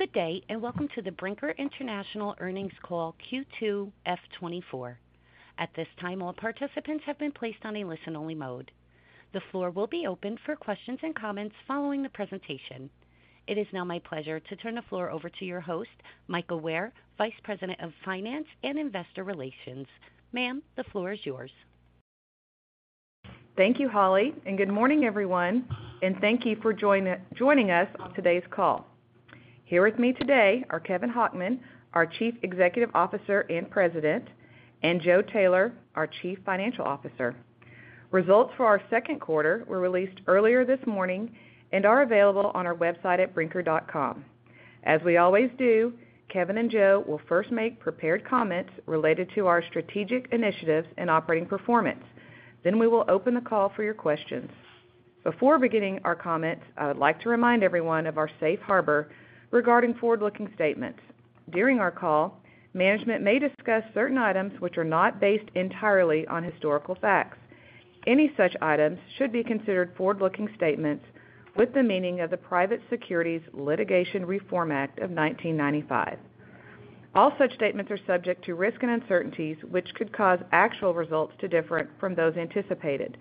Good day, and welcome to the Brinker International Earnings Call Q2 FY 2024. At this time, all participants have been placed on a listen-only mode. The floor will be open for questions and comments following the presentation. It is now my pleasure to turn the floor over to your host, Mika Ware, Vice President of Finance and Investor Relations. Ma'am, the floor is yours. Thank you, Holly, and good morning, everyone, and thank you for joining us on today's call. Here with me today are Kevin Hochman, our Chief Executive Officer and President, and Joe Taylor, our Chief Financial Officer. Results for our second quarter were released earlier this morning and are available on our website at brinker.com. As we always do, Kevin and Joe will first make prepared comments related to our strategic initiatives and operating performance. Then we will open the call for your questions. Before beginning our comments, I would like to remind everyone of our safe harbor regarding forward-looking statements. During our call, management may discuss certain items which are not based entirely on historical facts. Any such items should be considered forward-looking statements with the meaning of the Private Securities Litigation Reform Act of 1995. All such statements are subject to risks and uncertainties, which could cause actual results to differ from those anticipated.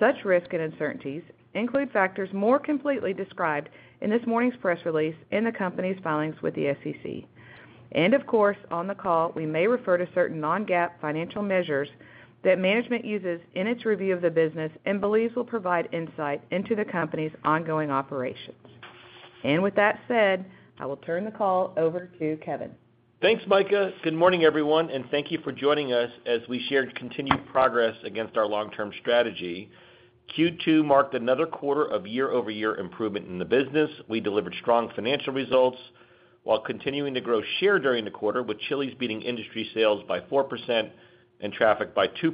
Such risks and uncertainties include factors more completely described in this morning's press release in the company's filings with the SEC. Of course, on the call, we may refer to certain non-GAAP financial measures that management uses in its review of the business and believes will provide insight into the company's ongoing operations. With that said, I will turn the call over to Kevin. Thanks, Mika. Good morning, everyone, and thank you for joining us as we share continued progress against our long-term strategy. Q2 marked another quarter of year-over-year improvement in the business. We delivered strong financial results while continuing to grow share during the quarter, with Chili's beating industry sales by 4% and traffic by 2%.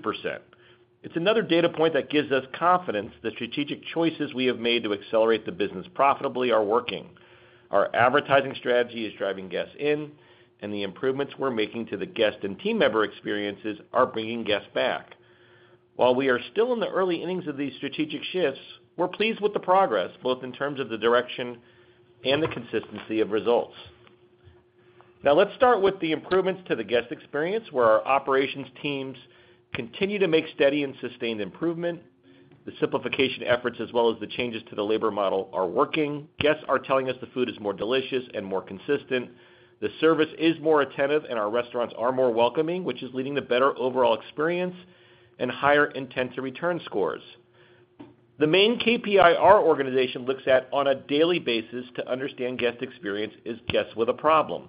It's another data point that gives us confidence the strategic choices we have made to accelerate the business profitably are working. Our advertising strategy is driving guests in, and the improvements we're making to the guest and team member experiences are bringing guests back. While we are still in the early innings of these strategic shifts, we're pleased with the progress, both in terms of the direction and the consistency of results. Now, let's start with the improvements to the guest experience, where our operations teams continue to make steady and sustained improvement. The simplification efforts, as well as the changes to the labor model, are working. Guests are telling us the food is more delicious and more consistent, the service is more attentive, and our restaurants are more welcoming, which is leading to better overall experience and higher intent to return scores. The main KPI our organization looks at on a daily basis to understand guest experience is guests with a problem.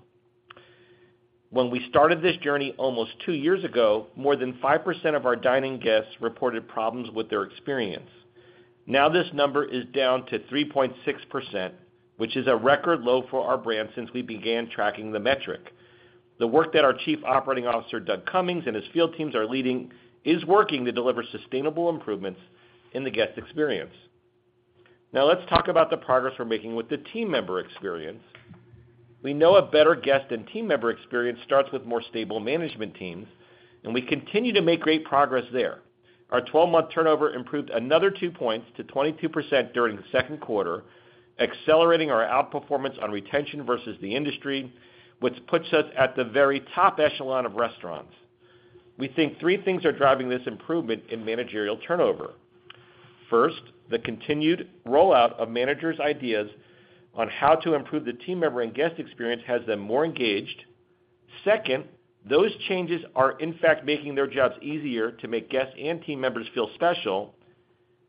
When we started this journey almost two years ago, more than 5% of our dining guests reported problems with their experience. Now, this number is down to 3.6%, which is a record low for our brand since we began tracking the metric. The work that our Chief Operating Officer, Doug Comings, and his field teams are leading is working to deliver sustainable improvements in the guest experience. Now, let's talk about the progress we're making with the team member experience. We know a better guest and team member experience starts with more stable management teams, and we continue to make great progress there. Our twelve-month turnover improved another two points to 22% during the second quarter, accelerating our outperformance on retention versus the industry, which puts us at the very top echelon of restaurants. We think three things are driving this improvement in managerial turnover. First, the continued rollout of managers' ideas on how to improve the team member and guest experience has them more engaged. Second, those changes are, in fact, making their jobs easier to make guests and team members feel special.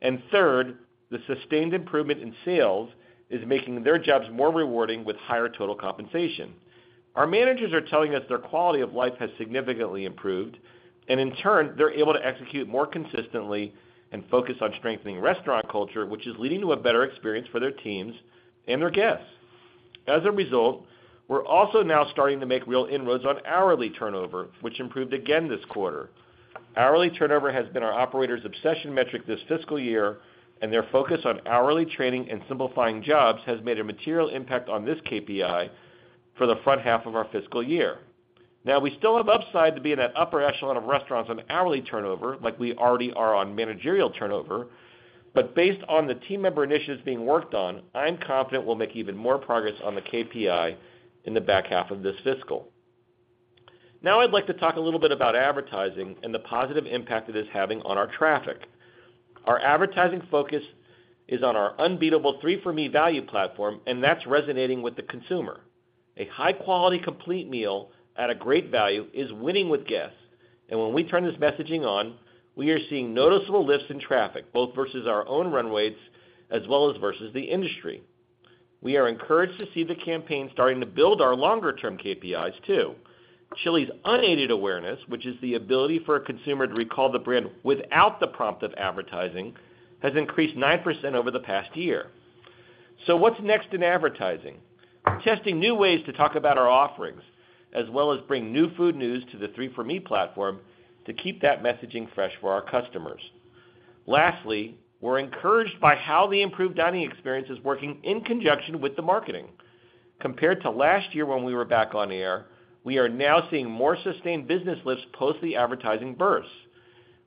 And third, the sustained improvement in sales is making their jobs more rewarding with higher total compensation. Our managers are telling us their quality of life has significantly improved, and in turn, they're able to execute more consistently and focus on strengthening restaurant culture, which is leading to a better experience for their teams and their guests. As a result, we're also now starting to make real inroads on hourly turnover, which improved again this quarter. Hourly turnover has been our operators' obsession metric this fiscal year, and their focus on hourly training and simplifying jobs has made a material impact on this KPI for the front half of our fiscal year. Now, we still have upside to be in that upper echelon of restaurants on hourly turnover, like we already are on managerial turnover, but based on the team member initiatives being worked on, I'm confident we'll make even more progress on the KPI in the back half of this fiscal. Now I'd like to talk a little bit about advertising and the positive impact it is having on our traffic. Our advertising focus is on our unbeatable 3 For Me value platform, and that's resonating with the consumer. A high-quality, complete meal at a great value is winning with guests, and when we turn this messaging on, we are seeing noticeable lifts in traffic, both versus our own run rates as well as versus the industry. We are encouraged to see the campaign starting to build our longer-term KPIs, too. Chili's unaided awareness, which is the ability for a consumer to recall the brand without the prompt of advertising, has increased 9% over the past year. So what's next in advertising? Testing new ways to talk about our offerings, as well as bring new food news to the 3 For Me platform to keep that messaging fresh for our customers. Lastly, we're encouraged by how the improved dining experience is working in conjunction with the marketing. Compared to last year when we were back on air, we are now seeing more sustained business lifts post the advertising burst.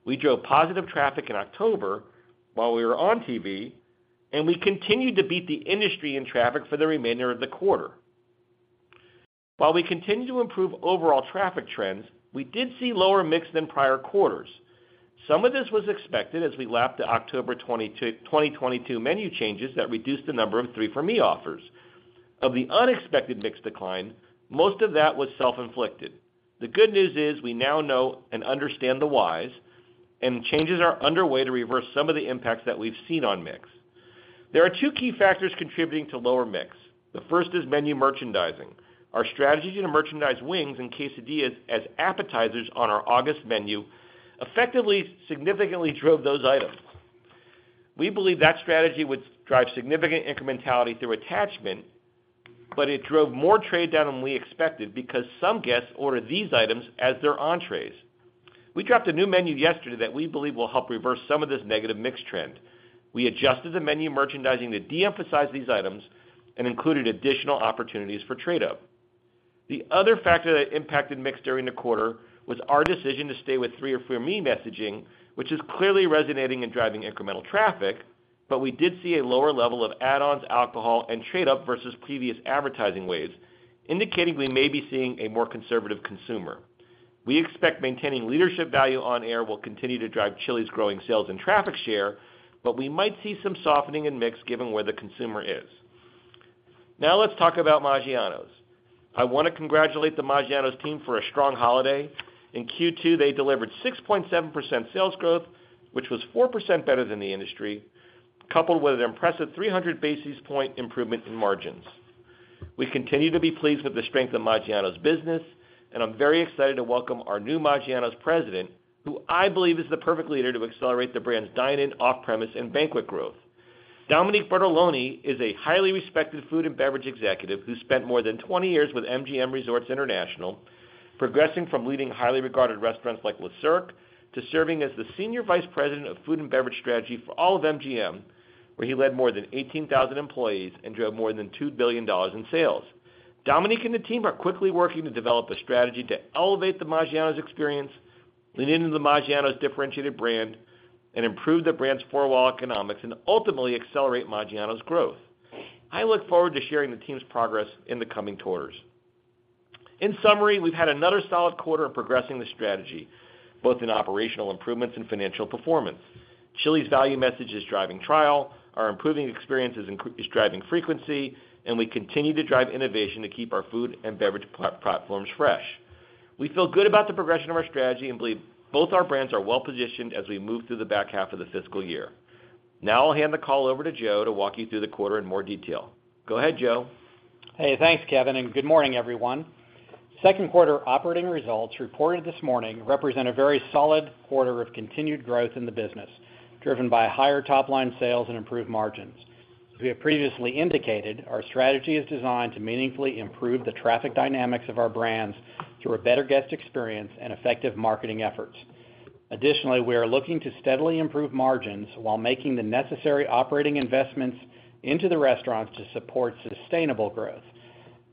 We drove positive traffic in October while we were on TV, and we continued to beat the industry in traffic for the remainder of the quarter. While we continue to improve overall traffic trends, we did see lower mix than prior quarters. Some of this was expected as we lapped the October 2022 menu changes that reduced the number of 3 For Me offers. Of the unexpected mix decline, most of that was self-inflicted. The good news is, we now know and understand the whys, and changes are underway to reverse some of the impacts that we've seen on mix. There are two key factors contributing to lower mix. The first is menu merchandising. Our strategy to merchandise wings and quesadillas as appetizers on our August menu effectively, significantly drove those items. We believe that strategy would drive significant incrementality through attachment, but it drove more trade down than we expected because some guests ordered these items as their entrees. We dropped a new menu yesterday that we believe will help reverse some of this negative mix trend. We adjusted the menu merchandising to de-emphasize these items and included additional opportunities for trade-up. The other factor that impacted mix during the quarter was our decision to stay with 3 For Me messaging, which is clearly resonating and driving incremental traffic, but we did see a lower level of add-ons, alcohol, and trade-up versus previous advertising waves, indicating we may be seeing a more conservative consumer. We expect maintaining leadership value on air will continue to drive Chili's growing sales and traffic share, but we might see some softening in mix given where the consumer is. Now let's talk about Maggiano's. I want to congratulate the Maggiano's team for a strong holiday. In Q2, they delivered 6.7% sales growth, which was 4% better than the industry, coupled with an impressive 300 basis point improvement in margins. We continue to be pleased with the strength of Maggiano's business, and I'm very excited to welcome our new Maggiano's president, who I believe is the perfect leader to accelerate the brand's dine-in, off-premise, and banquet growth. Dominique Bertolone is a highly respected food and beverage executive who spent more than 20 years with MGM Resorts International, progressing from leading highly regarded restaurants like Le Cirque to serving as the Senior Vice President of Food and Beverage Strategy for all of MGM, where he led more than 18,000 employees and drove more than $2 billion in sales. Dominique and the team are quickly working to develop a strategy to elevate the Maggiano's experience, lean into the Maggiano's differentiated brand, and improve the brand's four-wall economics, and ultimately accelerate Maggiano's growth. I look forward to sharing the team's progress in the coming quarters. In summary, we've had another solid quarter of progressing the strategy, both in operational improvements and financial performance. Chili's value message is driving trial, our improving experience is driving frequency, and we continue to drive innovation to keep our food and beverage platforms fresh. We feel good about the progression of our strategy and believe both our brands are well-positioned as we move through the back half of the fiscal year. Now I'll hand the call over to Joe to walk you through the quarter in more detail. Go ahead, Joe. Hey, thanks, Kevin, and good morning, everyone. Second quarter operating results reported this morning represent a very solid quarter of continued growth in the business, driven by higher top-line sales and improved margins. As we have previously indicated, our strategy is designed to meaningfully improve the traffic dynamics of our brands through a better guest experience and effective marketing efforts. Additionally, we are looking to steadily improve margins while making the necessary operating investments into the restaurants to support sustainable growth.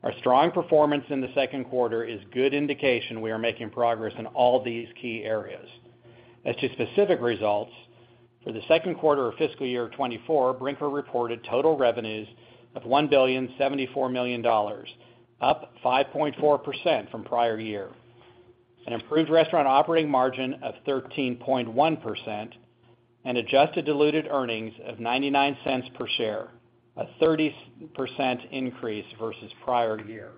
Our strong performance in the second quarter is good indication we are making progress in all these key areas. As to specific results, for the second quarter of fiscal year 2024, Brinker reported total revenues of $1.074 billion, up 5.4% from prior year, an improved restaurant operating margin of 13.1%, and adjusted diluted earnings of $0.99 per share, a 30% increase versus prior year.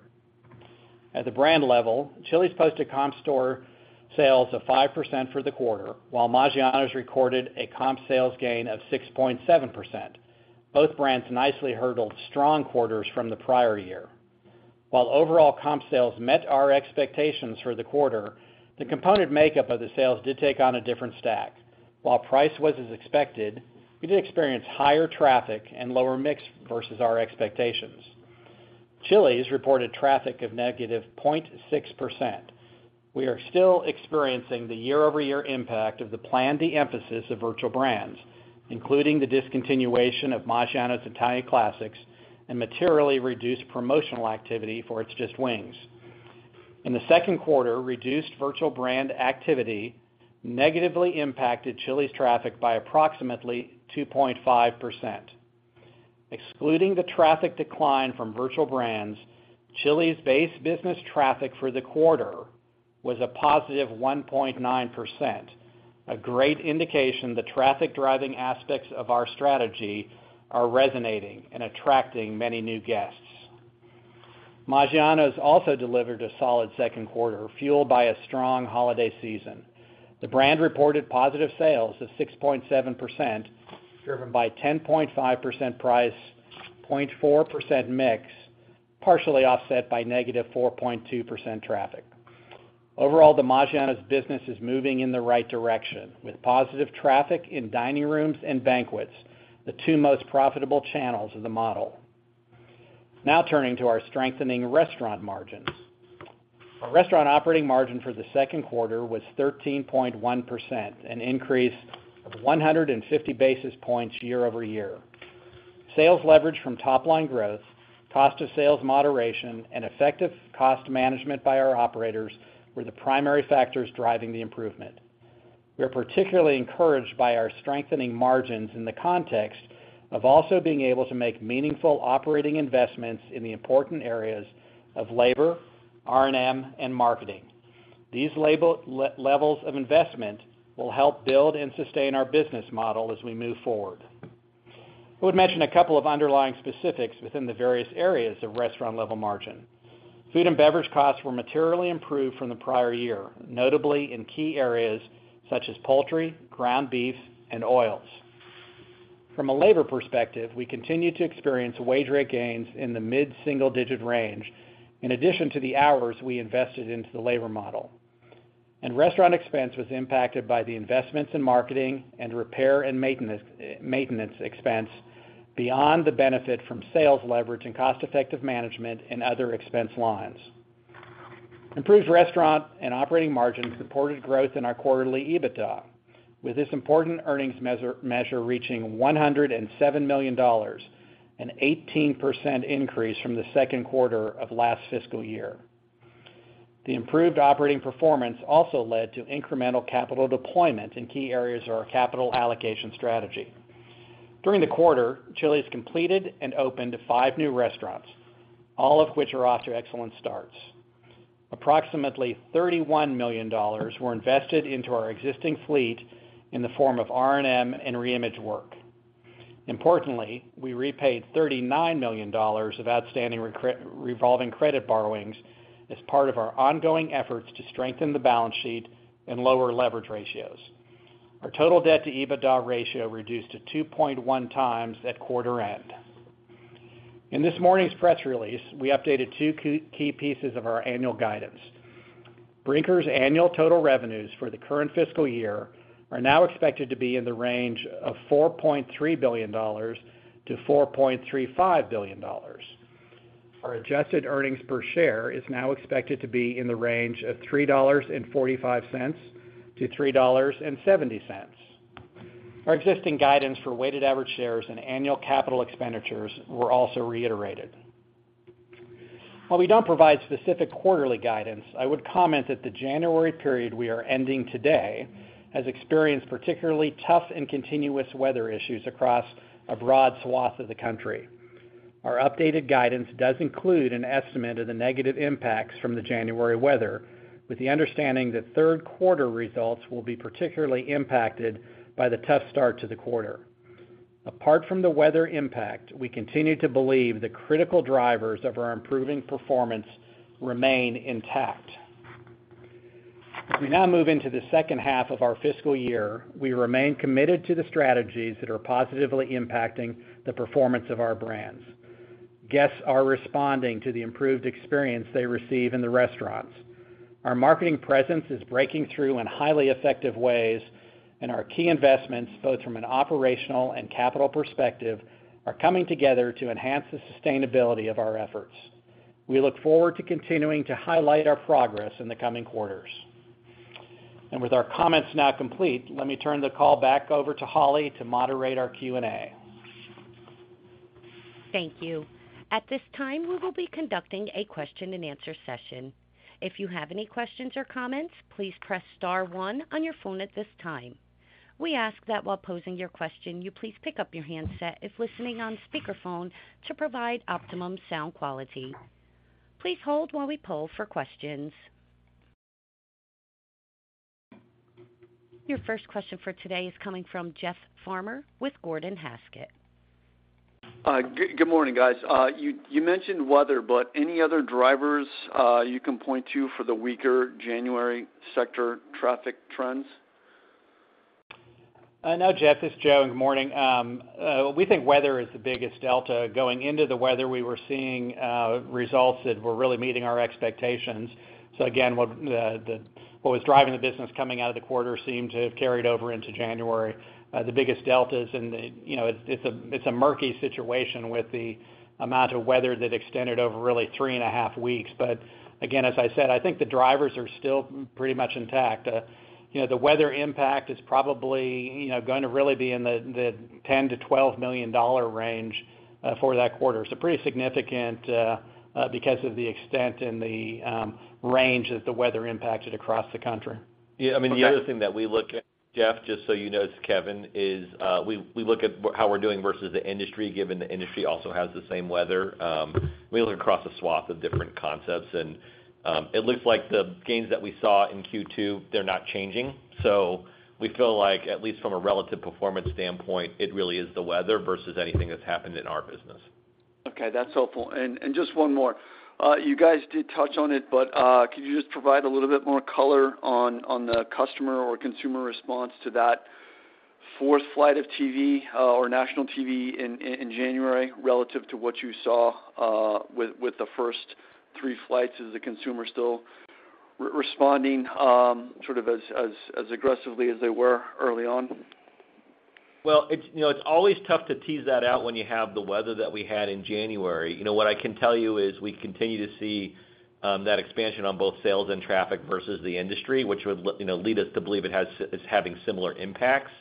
At the brand level, Chili's posted comp store sales of 5% for the quarter, while Maggiano's recorded a comp sales gain of 6.7%. Both brands nicely hurdled strong quarters from the prior year. While overall comp sales met our expectations for the quarter, the component makeup of the sales did take on a different stack. While price was as expected, we did experience higher traffic and lower mix versus our expectations. Chili's reported traffic of -0.6%. We are still experiencing the year-over-year impact of the planned de-emphasis of virtual brands, including the discontinuation of Maggiano's Italian Classics and materially reduced promotional activity for It's Just Wings. In the second quarter, reduced virtual brand activity negatively impacted Chili's traffic by approximately 2.5%. Excluding the traffic decline from virtual brands, Chili's base business traffic for the quarter was a positive 1.9%, a great indication the traffic-driving aspects of our strategy are resonating and attracting many new guests. Maggiano's also delivered a solid second quarter, fueled by a strong holiday season. The brand reported positive sales of 6.7%, driven by 10.5% price, 0.4% mix, partially offset by negative 4.2% traffic. Overall, the Maggiano's business is moving in the right direction, with positive traffic in dining rooms and banquets, the two most profitable channels of the model. Now turning to our strengthening restaurant margins. Our restaurant operating margin for the second quarter was 13.1%, an increase of 150 basis points year-over-year. Sales leverage from top-line growth, cost of sales moderation, and effective cost management by our operators were the primary factors driving the improvement. We are particularly encouraged by our strengthening margins in the context of also being able to make meaningful operating investments in the important areas of labor, R&M, and marketing. These levels of investment will help build and sustain our business model as we move forward. I would mention a couple of underlying specifics within the various areas of restaurant level margin. Food and beverage costs were materially improved from the prior year, notably in key areas such as poultry, ground beef, and oils. From a labor perspective, we continue to experience wage rate gains in the mid-single digit range, in addition to the hours we invested into the labor model. Restaurant expense was impacted by the investments in marketing and repair and maintenance expense beyond the benefit from sales leverage and cost-effective management and other expense lines. Improved restaurant and operating margins supported growth in our quarterly EBITDA, with this important earnings measure reaching $107 million, an 18% increase from the second quarter of last fiscal year. The improved operating performance also led to incremental capital deployment in key areas of our capital allocation strategy. During the quarter, Chili's completed and opened 5 new restaurants, all of which are off to excellent starts. Approximately $31 million were invested into our existing fleet in the form of R&M and reimage work. Importantly, we repaid $39 million of outstanding revolving credit borrowings as part of our ongoing efforts to strengthen the balance sheet and lower leverage ratios. Our total debt to EBITDA ratio reduced to 2.1 times at quarter end. In this morning's press release, we updated two key pieces of our annual guidance. Brinker's annual total revenues for the current fiscal year are now expected to be in the range of $4.3 billion-$4.35 billion. Our adjusted earnings per share is now expected to be in the range of $3.45-$3.70. Our existing guidance for weighted average shares and annual capital expenditures were also reiterated. While we don't provide specific quarterly guidance, I would comment that the January period we are ending today has experienced particularly tough and continuous weather issues across a broad swath of the country. Our updated guidance does include an estimate of the negative impacts from the January weather, with the understanding that third quarter results will be particularly impacted by the tough start to the quarter. Apart from the weather impact, we continue to believe the critical drivers of our improving performance remain intact. As we now move into the second half of our fiscal year, we remain committed to the strategies that are positively impacting the performance of our brands. Guests are responding to the improved experience they receive in the restaurants. Our marketing presence is breaking through in highly effective ways, and our key investments, both from an operational and capital perspective, are coming together to enhance the sustainability of our efforts. We look forward to continuing to highlight our progress in the coming quarters. And with our comments now complete, let me turn the call back over to Holly to moderate our Q&A. Thank you. At this time, we will be conducting a question-and-answer session. If you have any questions or comments, please press star one on your phone at this time. We ask that while posing your question, you please pick up your handset if listening on speakerphone to provide optimum sound quality. Please hold while we poll for questions. Your first question for today is coming from Jeff Farmer with Gordon Haskett. Good morning, guys. You mentioned weather, but any other drivers you can point to for the weaker January sector traffic trends? No, Jeff, this is Joe. Good morning. We think weather is the biggest delta. Going into the weather, we were seeing results that were really meeting our expectations. So again, what was driving the business coming out of the quarter seemed to have carried over into January. The biggest delta is in the, you know, it's a murky situation with the amount of weather that extended over really three and a half weeks. But again, as I said, I think the drivers are still pretty much intact. You know, the weather impact is probably, you know, going to really be in the $10 million-$12 million range for that quarter. So pretty significant because of the extent and the range of the weather impacted across the country. Okay- Yeah, I mean, the other thing that we look at, Jeff, just so you know, it's Kevin, is we look at how we're doing versus the industry, given the industry also has the same weather. We look across a swath of different concepts, and it looks like the gains that we saw in Q2, they're not changing. So we feel like, at least from a relative performance standpoint, it really is the weather versus anything that's happened in our business. Okay, that's helpful. And just one more. You guys did touch on it, but could you just provide a little bit more color on the customer or consumer response to that fourth flight of TV or national TV in January, relative to what you saw with the first three flights? Is the consumer still responding sort of as aggressively as they were early on? Well, it's, you know, it's always tough to tease that out when you have the weather that we had in January. You know, what I can tell you is we continue to see that expansion on both sales and traffic versus the industry, which would you know, lead us to believe it has-- it's having similar impacts.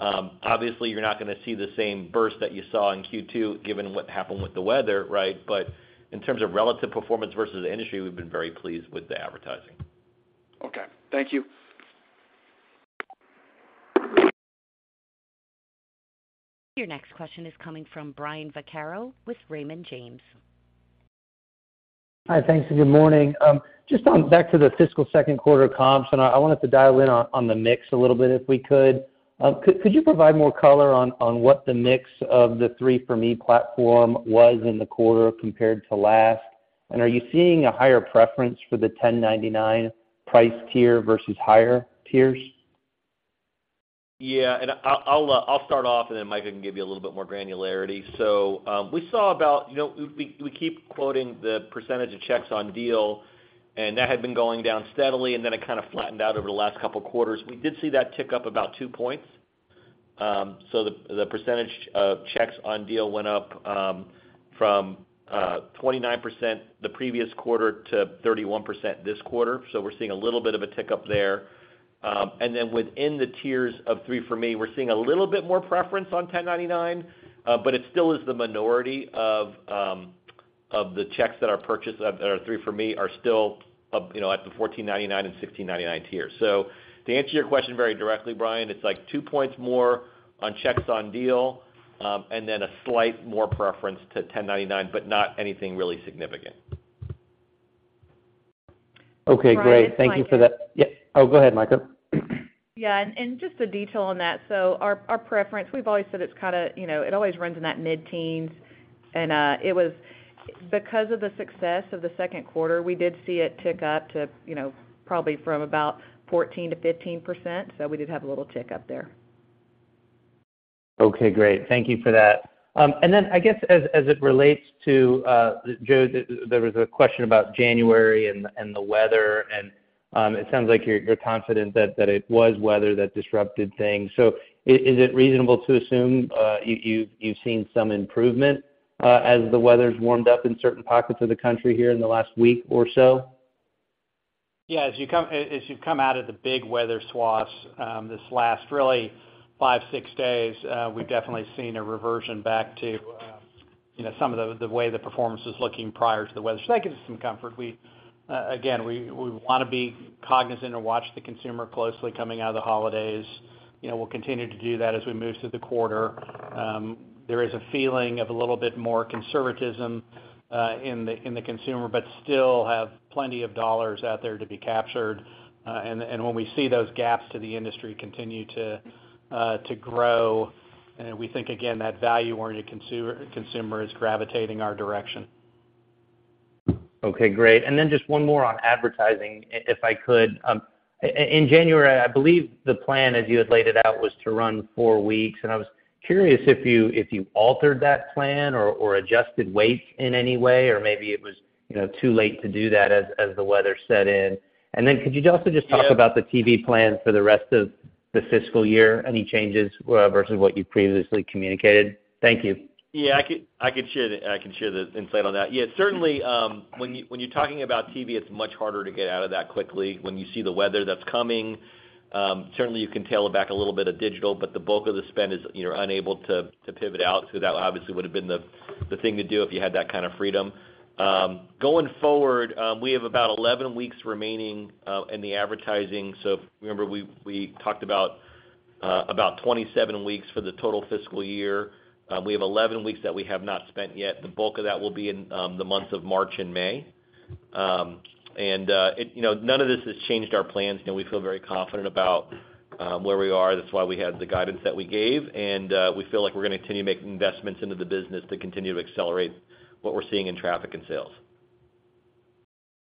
Obviously, you're not gonna see the same burst that you saw in Q2, given what happened with the weather, right? But in terms of relative performance versus the industry, we've been very pleased with the advertising. Okay. Thank you. Your next question is coming from Brian Vaccaro with Raymond James. Hi. Thanks, and good morning. Just back to the fiscal second quarter comps, and I wanted to dial in on the mix a little bit, if we could. Could you provide more color on what the mix of the 3 For Me platform was in the quarter compared to last? And are you seeing a higher preference for the $10.99 price tier versus higher tiers? Yeah, and I'll start off, and then Mika can give you a little bit more granularity. So we saw about, you know, we keep quoting the percentage of checks on deal, and that had been going down steadily, and then it kind of flattened out over the last couple of quarters. We did see that tick up about two points. So the percentage of checks on deal went up from 29% the previous quarter to 31% this quarter. So we're seeing a little bit of a tick up there. And then within the tiers of 3 For Me, we're seeing a little bit more preference on $10.99, but it still is the minority of, of the checks that are purchased, that are 3 For Me, are still, you know, at the $14.99 and $16.99 tier. So to answer your question very directly, Brian, it's like two points more on checks on deal, and then a slight more preference to $10.99, but not anything really significant. Okay, great. Brian, it's Mika. Thank you for that. Yeah. Oh, go ahead, Mika. Yeah, and just a detail on that. So our preference, we've always said it's kind of, you know, it always runs in that mid-teens, and it was because of the success of the second quarter, we did see it tick up to, you know, probably from about 14%-15%, so we did have a little tick up there. Okay, great. Thank you for that. And then, I guess, as it relates to Joe, there was a question about January and the weather, and it sounds like you're confident that it was weather that disrupted things. So is it reasonable to assume you've seen some improvement as the weather's warmed up in certain pockets of the country here in the last week or so? Yeah. As you've come out of the big weather swaths, this last really five, six days, we've definitely seen a reversion back to, you know, some of the way the performance was looking prior to the weather. So that gives us some comfort. We, again, want to be cognizant and watch the consumer closely coming out of the holidays. You know, we'll continue to do that as we move through the quarter. There is a feeling of a little bit more conservatism in the consumer, but still have plenty of dollars out there to be captured. And when we see those gaps to the industry continue to grow, and we think again, that value-oriented consumer is gravitating our direction. Okay, great. And then just one more on advertising, if I could. In January, I believe the plan, as you had laid it out, was to run four weeks, and I was curious if you altered that plan or adjusted weights in any way, or maybe it was, you know, too late to do that as the weather set in. And then could you also just talk about the TV plans for the rest of the fiscal year, any changes versus what you previously communicated? Thank you. Yeah, I could, I could share the, I can share the insight on that. Yeah, certainly, when you, when you're talking about TV, it's much harder to get out of that quickly. When you see the weather that's coming, certainly you can tail it back a little bit of digital, but the bulk of the spend is, you know, unable to, to pivot out. So that obviously would have been the, the thing to do if you had that kind of freedom. Going forward, we have about 11 weeks remaining in the advertising. So remember, we, we talked about about 27 weeks for the total fiscal year. We have 11 weeks that we have not spent yet. The bulk of that will be in the months of March and May. And, it... You know, none of this has changed our plans. You know, we feel very confident about where we are. That's why we had the guidance that we gave, and we feel like we're going to continue making investments into the business to continue to accelerate what we're seeing in traffic and sales.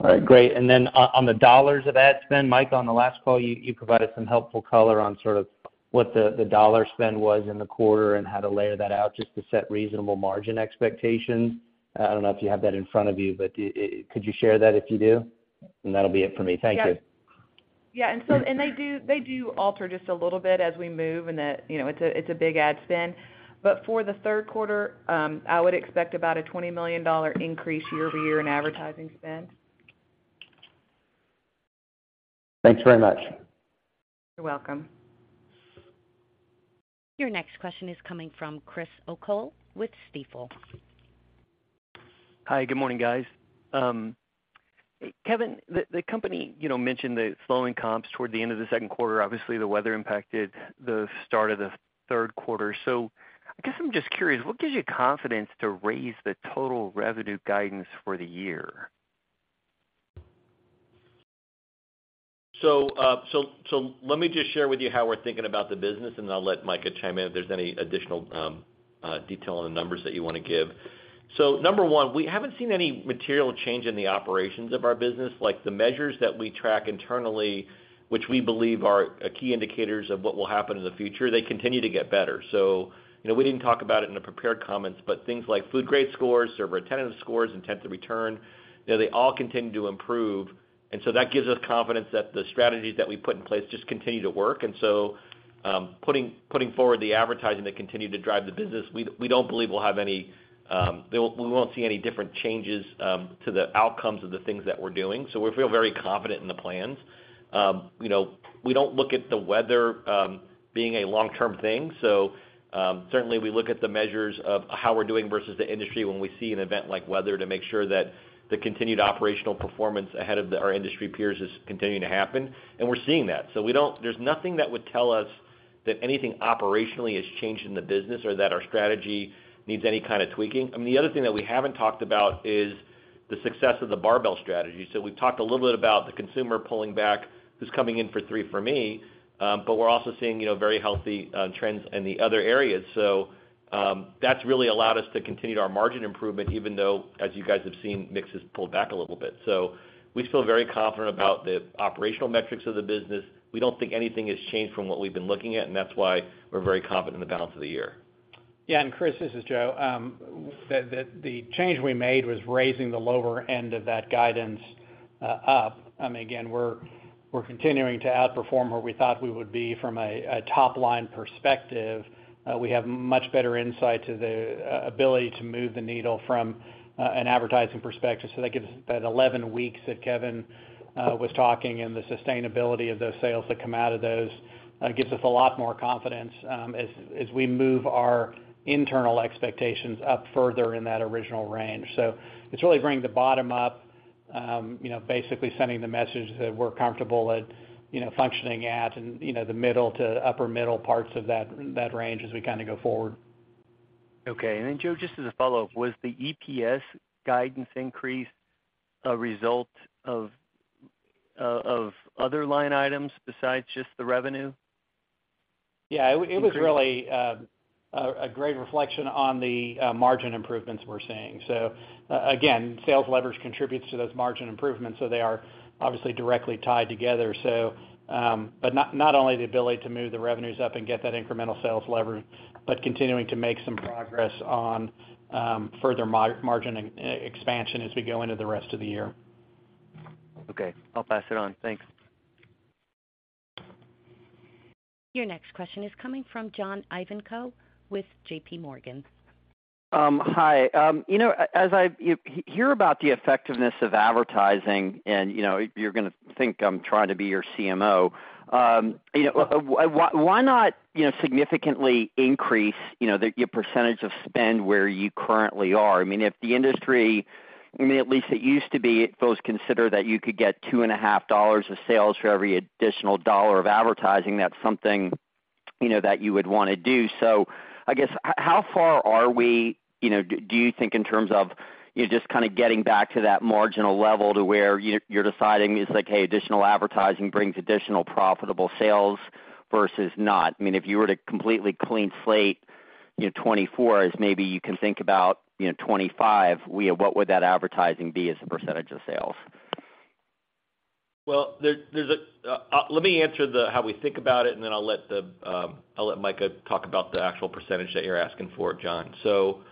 All right, great. And then on the dollars of ad spend, Mika, on the last call, you, you provided some helpful color on sort of what the, the dollar spend was in the quarter and how to layer that out just to set reasonable margin expectations. I don't know if you have that in front of you, but could you share that if you do? And that'll be it for me. Thank you. Yeah. Yeah, and so, and they do, they do alter just a little bit as we move, and, you know, it's a, it's a big ad spend. But for the third quarter, I would expect about a $20 million increase year-over-year in advertising spend. Thanks very much. You're welcome. Your next question is coming from Chris O'Cull with Stifel. Hi, good morning, guys. Kevin, the company, you know, mentioned the slowing comps toward the end of the second quarter. Obviously, the weather impacted the start of the third quarter. So I guess I'm just curious, what gives you confidence to raise the total revenue guidance for the year? So let me just share with you how we're thinking about the business, and I'll let Mika chime in if there's any additional detail on the numbers that you wanna give. So number one, we haven't seen any material change in the operations of our business. Like, the measures that we track internally, which we believe are key indicators of what will happen in the future, they continue to get better. So, you know, we didn't talk about it in the prepared comments, but things like Food Grade scores, server attendance scores, intent to return, you know, they all continue to improve. And so that gives us confidence that the strategies that we put in place just continue to work. Putting forward the advertising that continue to drive the business, we don't believe we'll have any, we won't see any different changes to the outcomes of the things that we're doing. We feel very confident in the plans. You know, we don't look at the weather being a long-term thing. Certainly, we look at the measures of how we're doing versus the industry when we see an event like weather to make sure that the continued operational performance ahead of our industry peers is continuing to happen, and we're seeing that. We don't—there's nothing that would tell us that anything operationally has changed in the business or that our strategy needs any kind of tweaking. The other thing that we haven't talked about is the success of the barbell strategy. So we've talked a little bit about the consumer pulling back, who's coming in for 3 For Me, but we're also seeing, you know, very healthy trends in the other areas. So, that's really allowed us to continue our margin improvement, even though, as you guys have seen, mix has pulled back a little bit. So we feel very confident about the operational metrics of the business. We don't think anything has changed from what we've been looking at, and that's why we're very confident in the balance of the year. Yeah, and Chris, this is Joe. The change we made was raising the lower end of that guidance up. I mean, again, we're continuing to outperform where we thought we would be from a top-line perspective. We have much better insight to the ability to move the needle from an advertising perspective. So that gives us that 11 weeks that Kevin was talking and the sustainability of those sales that come out of those gives us a lot more confidence as we move our internal expectations up further in that original range. So it's really bringing the bottom up, you know, basically sending the message that we're comfortable at, you know, functioning at, and, you know, the middle to upper middle parts of that range as we kind of go forward. Okay. And then, Joe, just as a follow-up, was the EPS guidance increase a result of other line items besides just the revenue? Yeah, it was really a great reflection on the margin improvements we're seeing. So, again, sales leverage contributes to those margin improvements, so they are obviously directly tied together. So, but not only the ability to move the revenues up and get that incremental sales lever, but continuing to make some progress on further margin expansion as we go into the rest of the year. Okay. I'll pass it on. Thanks. Your next question is coming from John Ivankoe with JPMorgan. Hi, you know, as I, you, hear about the effectiveness of advertising, and, you know, you're gonna think I'm trying to be your CMO, you know, why, why not, you know, significantly increase, you know, the, your percentage of spend where you currently are? I mean, if the industry, I mean, at least it used to be, it was considered that you could get $2.5 of sales for every additional $1 of advertising, that's something, you know, that you would wanna do. So I guess, how far are we, you know, do, do you think in terms of, you're just kind of getting back to that marginal level to where you're, you're deciding it's like, hey, additional advertising brings additional profitable sales versus not. I mean, if you were to completely clean slate, you know, 2024, as maybe you can think about, you know, 2025, we, what would that advertising be as a percentage of sales? Well, let me answer how we think about it, and then I'll let Mika talk about the actual percentage that you're asking for, John. So,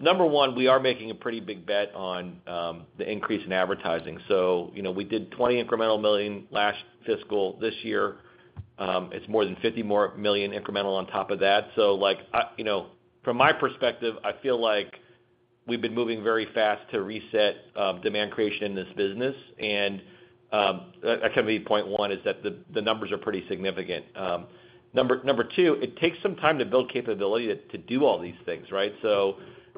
number one, we are making a pretty big bet on the increase in advertising. So, you know, we did $20 million incremental last fiscal. This year, it's more than $50 million more incremental on top of that. So like, you know, from my perspective, I feel like we've been moving very fast to reset demand creation in this business. And that can be point one, is that the numbers are pretty significant. Number two, it takes some time to build capability to do all these things, right? So,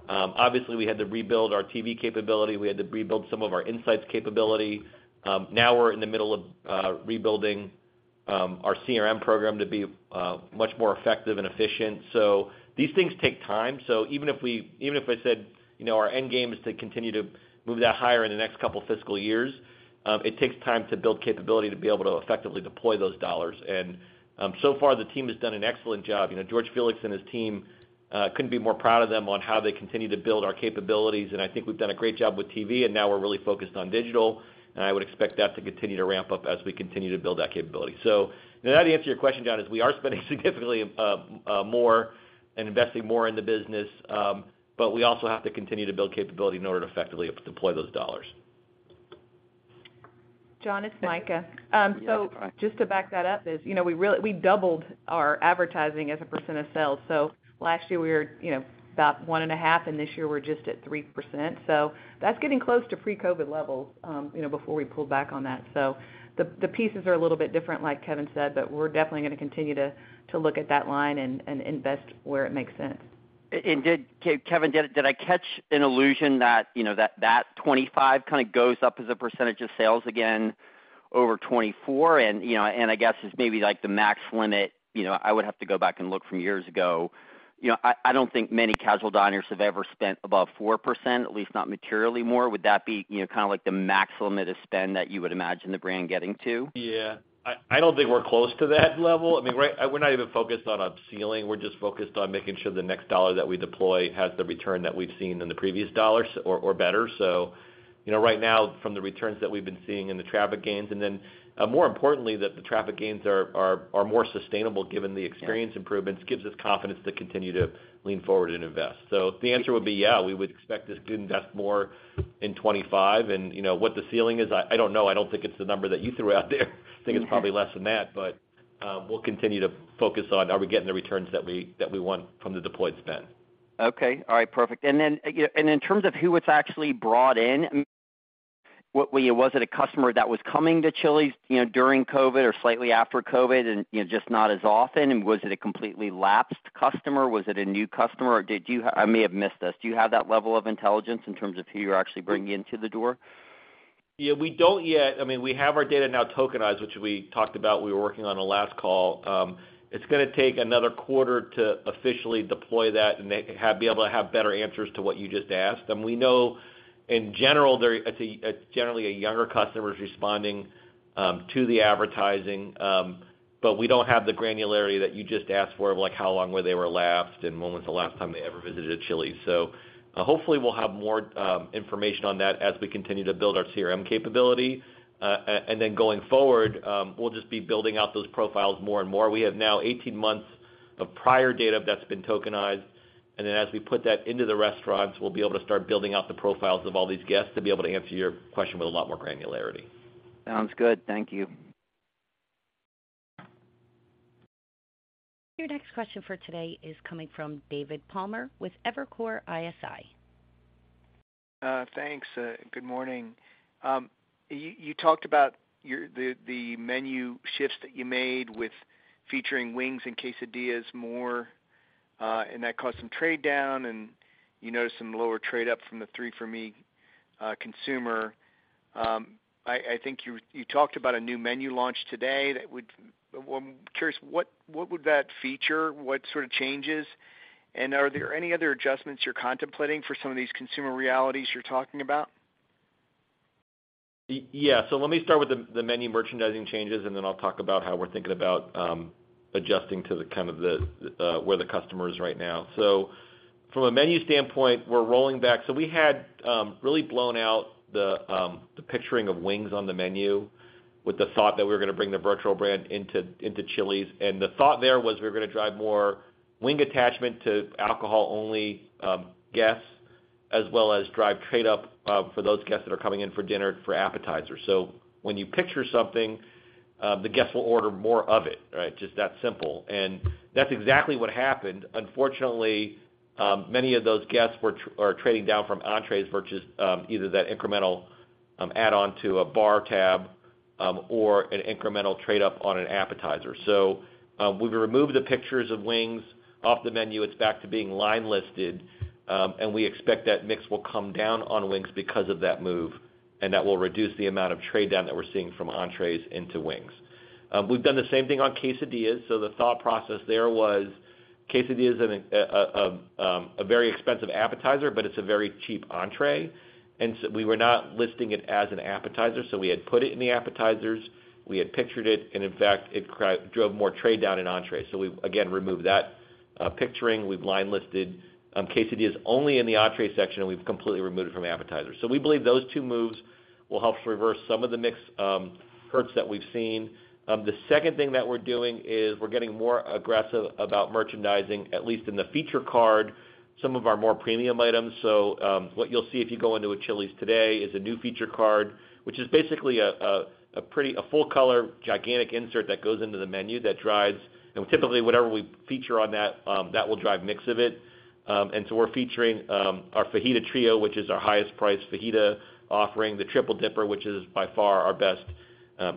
obviously, we had to rebuild our TV capability. We had to rebuild some of our insights capability. Now we're in the middle of rebuilding our CRM program to be much more effective and efficient. So these things take time. So even if we, even if I said, you know, our end game is to continue to move that higher in the next couple of fiscal years, it takes time to build capability to be able to effectively deploy those dollars. And so far, the team has done an excellent job. You know, George Felix and his team couldn't be more proud of them on how they continue to build our capabilities. And I think we've done a great job with TV, and now we're really focused on digital, and I would expect that to continue to ramp up as we continue to build that capability. So now, to answer your question, John, we are spending significantly more and investing more in the business, but we also have to continue to build capability in order to effectively deploy those dollars. John, it's Mika. So just to back that up, you know, we really—we doubled our advertising as a percent of sales. So last year, we were, you know, about 1.5%, and this year we're just at 3%. So that's getting close to pre-COVID levels, you know, before we pulled back on that. So the pieces are a little bit different, like Kevin said, but we're definitely gonna continue to look at that line and invest where it makes sense. Kevin, did I catch an allusion that, you know, that 25 kind of goes up as a percentage of sales again over 24? You know, I guess it's maybe like the max limit. You know, I would have to go back and look from years ago. You know, I don't think many casual diners have ever spent above 4%, at least not materially more. Would that be, you know, kind of like the max limit of spend that you would imagine the brand getting to? Yeah. I don't think we're close to that level. I mean, right, we're not even focused on a ceiling. We're just focused on making sure the next dollar that we deploy has the return that we've seen in the previous dollars or better. So, you know, right now, from the returns that we've been seeing and the traffic gains, and then, more importantly, that the traffic gains are more sustainable given the experience improvements, gives us confidence to continue to lean forward and invest. So the answer would be, yeah, we would expect us to invest more in 2025. And, you know, what the ceiling is, I don't know. I don't think it's the number that you threw out there. I think it's probably less than that, but we'll continue to focus on are we getting the returns that we, that we want from the deployed spend.... Okay. All right, perfect. And then, you know, and in terms of who it's actually brought in, what was it a customer that was coming to Chili's, you know, during COVID or slightly after COVID and, you know, just not as often? And was it a completely lapsed customer? Was it a new customer? Or did you, I may have missed this. Do you have that level of intelligence in terms of who you're actually bringing into the door? Yeah, we don't yet. I mean, we have our data now tokenized, which we talked about, we were working on the last call. It's gonna take another quarter to officially deploy that and make be able to have better answers to what you just asked. And we know in general, there, it's generally a younger customer who's responding to the advertising, but we don't have the granularity that you just asked for, of like, how long they were lapsed and when was the last time they ever visited a Chili's. So hopefully, we'll have more information on that as we continue to build our CRM capability. And then going forward, we'll just be building out those profiles more and more. We have now 18 months of prior data that's been tokenized, and then as we put that into the restaurants, we'll be able to start building out the profiles of all these guests to be able to answer your question with a lot more granularity. Sounds good. Thank you. Your next question for today is coming from David Palmer with Evercore ISI. Thanks, good morning. You talked about the menu shifts that you made with featuring wings and quesadillas more, and that caused some trade down, and you noticed some lower trade up from the 3 For Me consumer. I think you talked about a new menu launch today that would... Well, I'm curious, what would that feature? What sort of changes? And are there any other adjustments you're contemplating for some of these consumer realities you're talking about? Yeah. So let me start with the menu merchandising changes, and then I'll talk about how we're thinking about adjusting to where the customer is right now. So from a menu standpoint, we're rolling back. So we had really blown out the picturing of wings on the menu with the thought that we were gonna bring the virtual brand into Chili's. And the thought there was we were gonna drive more wing attachment to alcohol-only guests, as well as drive trade up for those guests that are coming in for dinner, for appetizers. So when you picture something, the guests will order more of it, right? Just that simple. And that's exactly what happened. Unfortunately, many of those guests were, are trading down from entrees versus, either that incremental, add-on to a bar tab, or an incremental trade up on an appetizer. So, we've removed the pictures of wings off the menu. It's back to being line listed, and we expect that mix will come down on wings because of that move, and that will reduce the amount of trade down that we're seeing from entrees into wings. We've done the same thing on quesadillas. So the thought process there was, quesadillas is a very expensive appetizer, but it's a very cheap entree, and so we were not listing it as an appetizer, so we had put it in the appetizers. We had pictured it, and in fact, it drove more trade down in entrees. So we've again, removed that, picturing. We've line listed, quesadillas only in the entree section, and we've completely removed it from appetizers. So we believe those two moves will help to reverse some of the mix, hurts that we've seen. The second thing that we're doing is we're getting more aggressive about merchandising, at least in the feature card, some of our more premium items. So, what you'll see if you go into a Chili's today is a new feature card, which is basically a pretty, full color, gigantic insert that goes into the menu that drives... And typically, whatever we feature on that, that will drive mix of it. And so we're featuring our Fajita Trio, which is our highest-priced fajita, offering the Triple Dipper, which is by far our best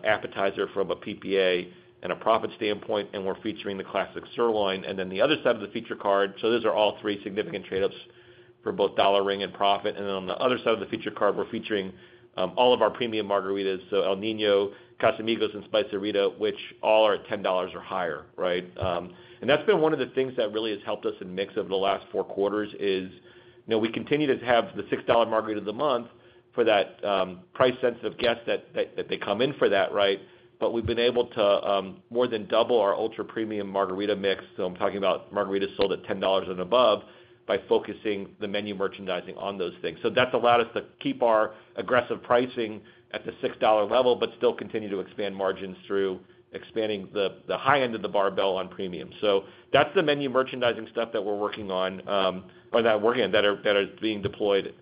appetizer from a PPA and a profit standpoint, and we're featuring the Classic Sirloin. And then the other side of the feature card, so those are all three significant trade-ups for both dollar ring and profit. And then on the other side of the feature card, we're featuring all of our premium margaritas, so El Niño, Casamigos, and Spice-A-Rita, which all are at $10 or higher, right? And that's been one of the things that really has helped us in mix over the last four quarters is, you know, we continue to have the $6 Margarita of the Month for that price-sensitive guest that they come in for that, right? But we've been able to more than double our ultra-premium margarita mix, so I'm talking about margaritas sold at $10 and above, by focusing the menu merchandising on those things. So that's allowed us to keep our aggressive pricing at the $6 level, but still continue to expand margins through expanding the, the high end of the barbell on premium. So that's the menu merchandising stuff that we're working on, or not working on, that are, that is being deployed,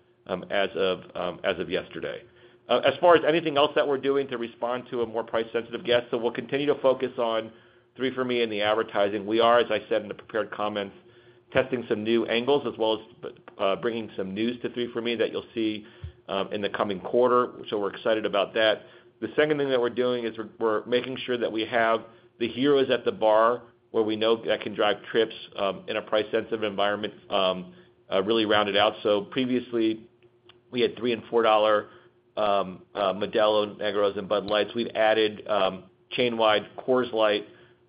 as of, as of yesterday. As far as anything else that we're doing to respond to a more price-sensitive guest, so we'll continue to focus on 3 For Me and the advertising. We are, as I said in the prepared comments, testing some new angles as well as, bringing some news to 3 For Me that you'll see, in the coming quarter. So we're excited about that. The second thing that we're doing is we're making sure that we have the heroes at the bar, where we know that can drive trips, in a price-sensitive environment, really rounded out. So previously, we had $3 and $4 Modelo Negras and Bud Lights. We've added chain-wide Coors Light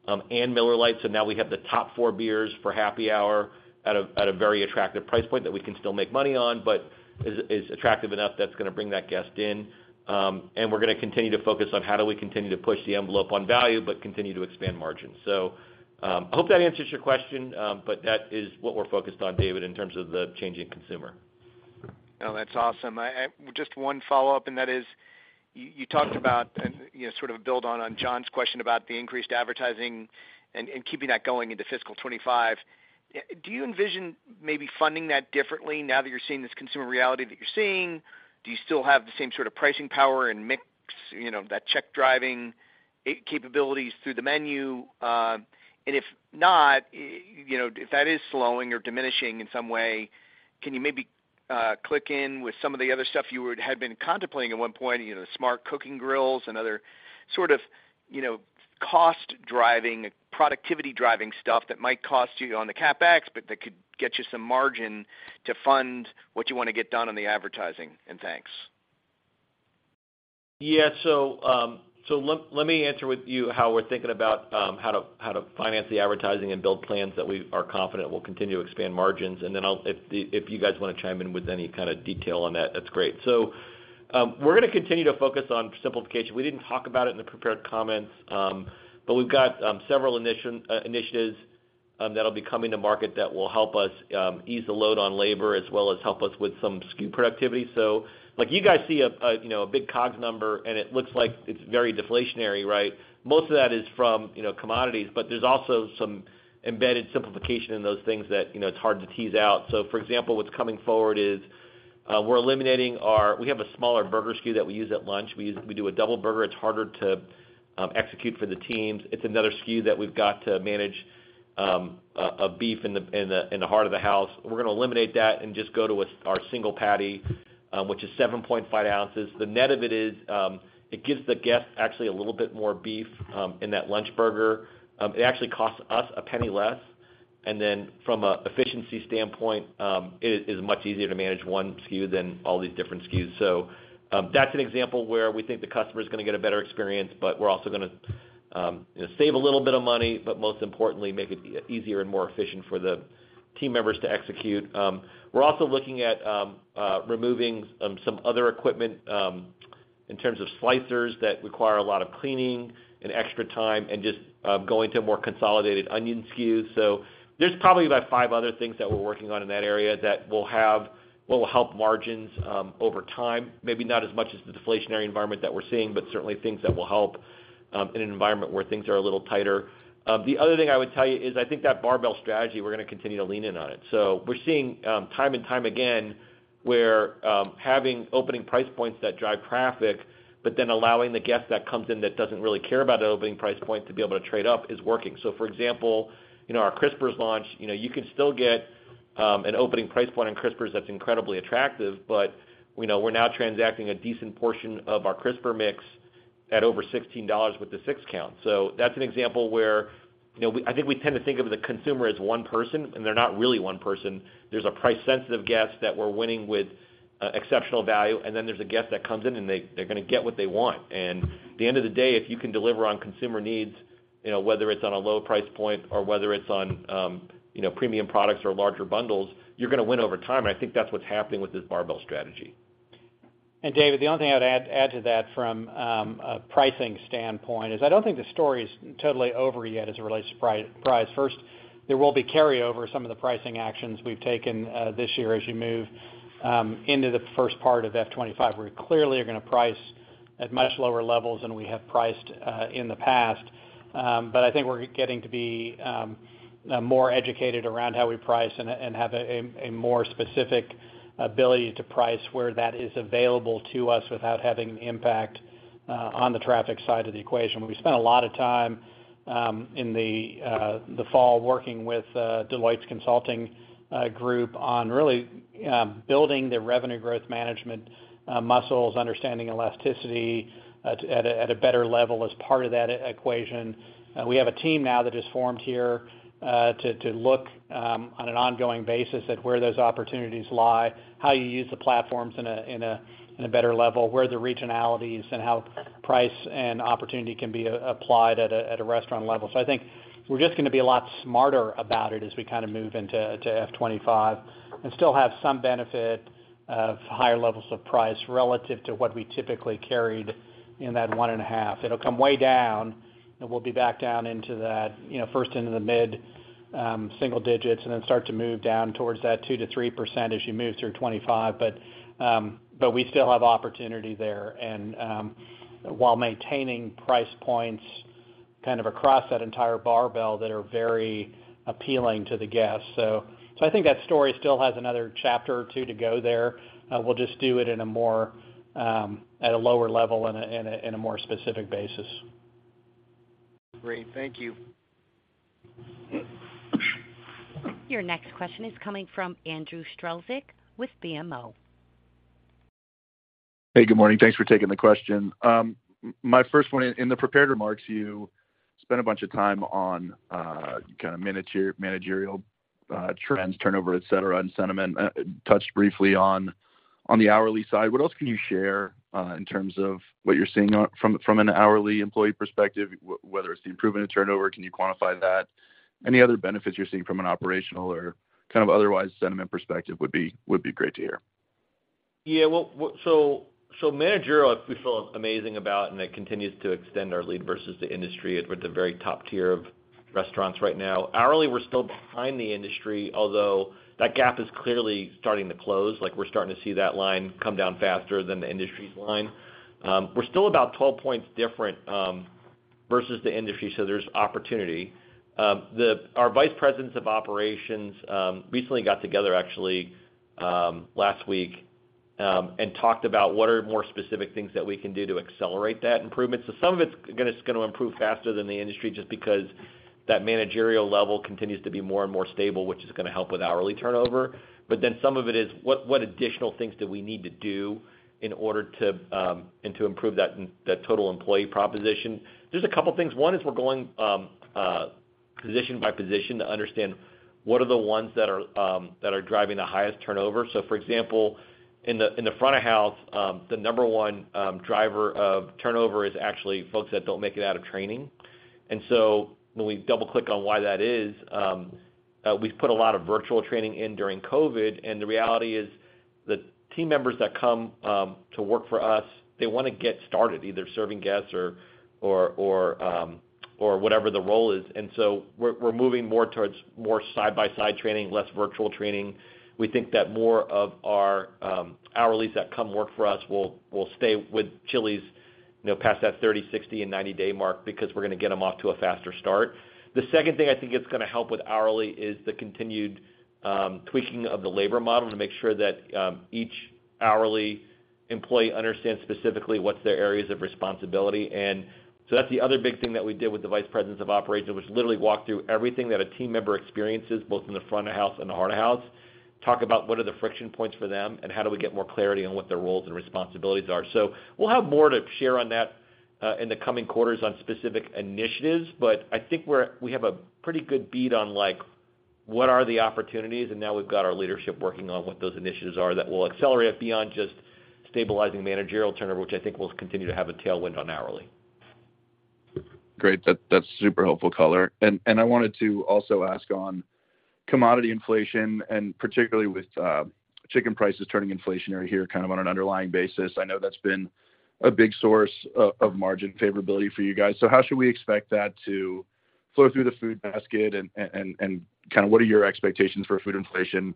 and Miller Lite, so now we have the top four beers for happy hour at a very attractive price point that we can still make money on, but is attractive enough that's gonna bring that guest in. And we're gonna continue to focus on how do we continue to push the envelope on value but continue to expand margins. So I hope that answers your question, but that is what we're focused on, David, in terms of the changing consumer. No, that's awesome. I just one follow-up, and that is, you talked about and, you know, sort of build on, on John's question about the increased advertising and keeping that going into fiscal 2025. Do you envision maybe funding that differently now that you're seeing this consumer reality that you're seeing? Do you still have the same sort of pricing power and mix... you know, that check driving capabilities through the menu? And if not, you know, if that is slowing or diminishing in some way, can you maybe click in with some of the other stuff you would had been contemplating at one point, you know, smart cooking grills and other sort of, you know, cost driving, productivity driving stuff that might cost you on the CapEx, but that could get you some margin to fund what you want to get done on the advertising? And thanks. Yeah. So let me answer with you how we're thinking about how to finance the advertising and build plans that we are confident will continue to expand margins. And then I'll, if you guys want to chime in with any kind of detail on that, that's great. So we're going to continue to focus on simplification. We didn't talk about it in the prepared comments, but we've got several initiatives that'll be coming to market that will help us ease the load on labor, as well as help us with some SKU productivity. So like, you guys see, you know, a big COGS number, and it looks like it's very deflationary, right? Most of that is from, you know, commodities, but there's also some embedded simplification in those things that, you know, it's hard to tease out. So for example, what's coming forward is, we're eliminating our. We have a smaller burger SKU that we use at lunch. We do a double burger. It's harder to execute for the teams. It's another SKU that we've got to manage, a beef in the heart of the house. We're going to eliminate that and just go to what's our single patty, which is 7.5 ounces. The net of it is, it gives the guest actually a little bit more beef in that lunch burger. It actually costs us $0.01 less, and then from an efficiency standpoint, it is much easier to manage one SKU than all these different SKUs. So, that's an example where we think the customer is going to get a better experience, but we're also gonna, you know, save a little bit of money, but most importantly, make it easier and more efficient for the team members to execute. We're also looking at removing some other equipment in terms of slicers that require a lot of cleaning and extra time, and just going to a more consolidated onion SKU. So there's probably about five other things that we're working on in that area that will help margins over time. Maybe not as much as the deflationary environment that we're seeing, but certainly things that will help in an environment where things are a little tighter. The other thing I would tell you is, I think that barbell strategy, we're going to continue to lean in on it. So we're seeing time and time again, where having opening price points that drive traffic, but then allowing the guest that comes in that doesn't really care about the opening price point to be able to trade up, is working. So for example, you know, our Crispers launch, you know, you can still get an opening price point on Crispers that's incredibly attractive, but, you know, we're now transacting a decent portion of our Crisper mix at over $16 with the six count. So that's an example where, you know, we, I think we tend to think of the consumer as one person, and they're not really one person. There's a price-sensitive guest that we're winning with exceptional value, and then there's a guest that comes in, and they, they're gonna get what they want. And at the end of the day, if you can deliver on consumer needs, you know, whether it's on a low price point or whether it's on, you know, premium products or larger bundles, you're going to win over time, and I think that's what's happening with this barbell strategy. David, the only thing I'd add to that from a pricing standpoint is I don't think the story is totally over yet as it relates to price. First, there will be carryover some of the pricing actions we've taken this year as you move into the first part of F 2025, where we clearly are going to price at much lower levels than we have priced in the past. But I think we're getting to be more educated around how we price and have a more specific ability to price where that is available to us without having an impact on the traffic side of the equation. We spent a lot of time in the fall working with Deloitte's consulting group on really building the revenue growth management muscles, understanding elasticity at a better level as part of that equation. We have a team now that is formed here to look on an ongoing basis at where those opportunities lie, how you use the platforms in a better level, where are the regionalities, and how price and opportunity can be applied at a restaurant level. So I think we're just going to be a lot smarter about it as we kind of move into F 2025 and still have some benefit of higher levels of price relative to what we typically carried in that 1.5. It'll come way down, and we'll be back down into that, you know, first into the mid-single digits, and then start to move down towards that 2%-3% as you move through 2025. But we still have opportunity there, and while maintaining price points kind of across that entire barbell that are very appealing to the guests. So I think that story still has another chapter or two to go there. We'll just do it in a more at a lower level and a more specific basis. Great. Thank you. Your next question is coming from Andrew Strelzik with BMO. Hey, good morning. Thanks for taking the question. My first one, in the prepared remarks, you spent a bunch of time on kind of managerial trends, turnover, et cetera, and sentiment. Touched briefly on the hourly side. What else can you share in terms of what you're seeing on from an hourly employee perspective, whether it's the improvement in turnover, can you quantify that? Any other benefits you're seeing from an operational or kind of otherwise sentiment perspective would be great to hear. Yeah, well, so managerial, we feel amazing about, and it continues to extend our lead versus the industry. We're at the very top tier of restaurants right now. Hourly, we're still behind the industry, although that gap is clearly starting to close. Like, we're starting to see that line come down faster than the industry's line. We're still about 12 points different versus the industry, so there's opportunity. Our vice presidents of operations recently got together, actually, last week, and talked about what are more specific things that we can do to accelerate that improvement. So some of it's gonna improve faster than the industry just because that managerial level continues to be more and more stable, which is going to help with hourly turnover. But then some of it is, what additional things do we need to do in order to and to improve that total employee proposition? There's a couple things. One is we're going position by position to understand what are the ones that are driving the highest turnover. So for example, in the front of house, the number one driver of turnover is actually folks that don't make it out of training. And so when we double click on why that is, we've put a lot of virtual training in during COVID, and the reality is the team members that come to work for us, they want to get started, either serving guests or or whatever the role is. And so we're moving more towards more side-by-side training, less virtual training. We think that more of our hourlies that come work for us will stay with Chili's, you know, past that 30, 60, and 90-day mark because we're going to get them off to a faster start. The second thing I think it's going to help with hourly is the continued tweaking of the labor model to make sure that each hourly employee understands specifically what's their areas of responsibility. And so that's the other big thing that we did with the vice presidents of operations, which literally walked through everything that a team member experiences, both in the front of house and the heart of house. Talk about what are the friction points for them, and how do we get more clarity on what their roles and responsibilities are. So we'll have more to share on that in the coming quarters on specific initiatives, but I think we're we have a pretty good beat on, like, what are the opportunities, and now we've got our leadership working on what those initiatives are that will accelerate it beyond just stabilizing managerial turnover, which I think will continue to have a tailwind on hourly. Great. That's super helpful color. And I wanted to also ask on commodity inflation, and particularly with chicken prices turning inflationary here, kind of on an underlying basis. I know that's been a big source of margin favorability for you guys. So how should we expect that to flow through the food basket and kind of what are your expectations for food inflation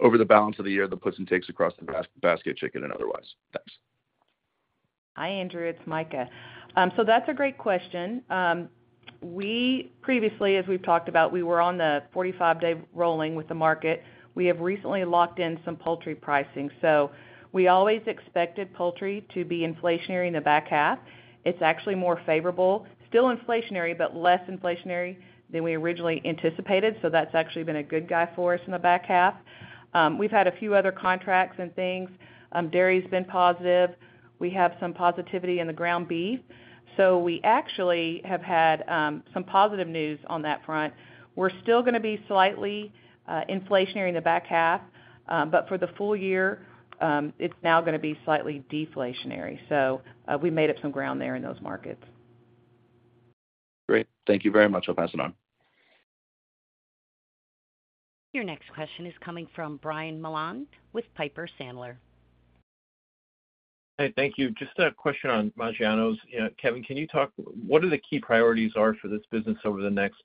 over the balance of the year, the puts and takes across the basket, chicken, and otherwise? Thanks. Hi, Andrew. It's Mika. So that's a great question. We previously, as we've talked about, we were on the 45-day rolling with the market. We have recently locked in some poultry pricing. So we always expected poultry to be inflationary in the back half. It's actually more favorable, still inflationary, but less inflationary than we originally anticipated. So that's actually been a good guy for us in the back half. We've had a few other contracts and things. Dairy's been positive. We have some positivity in the ground beef, so we actually have had some positive news on that front. We're still going to be slightly inflationary in the back half, but for the full year, it's now going to be slightly deflationary. So we made up some ground there in those markets. Great. Thank you very much. I'll pass it on. Your next question is coming from Brian Mullan with Piper Sandler. Hi, thank you. Just a question on Maggiano's. Kevin, can you talk, what are the key priorities are for this business over the next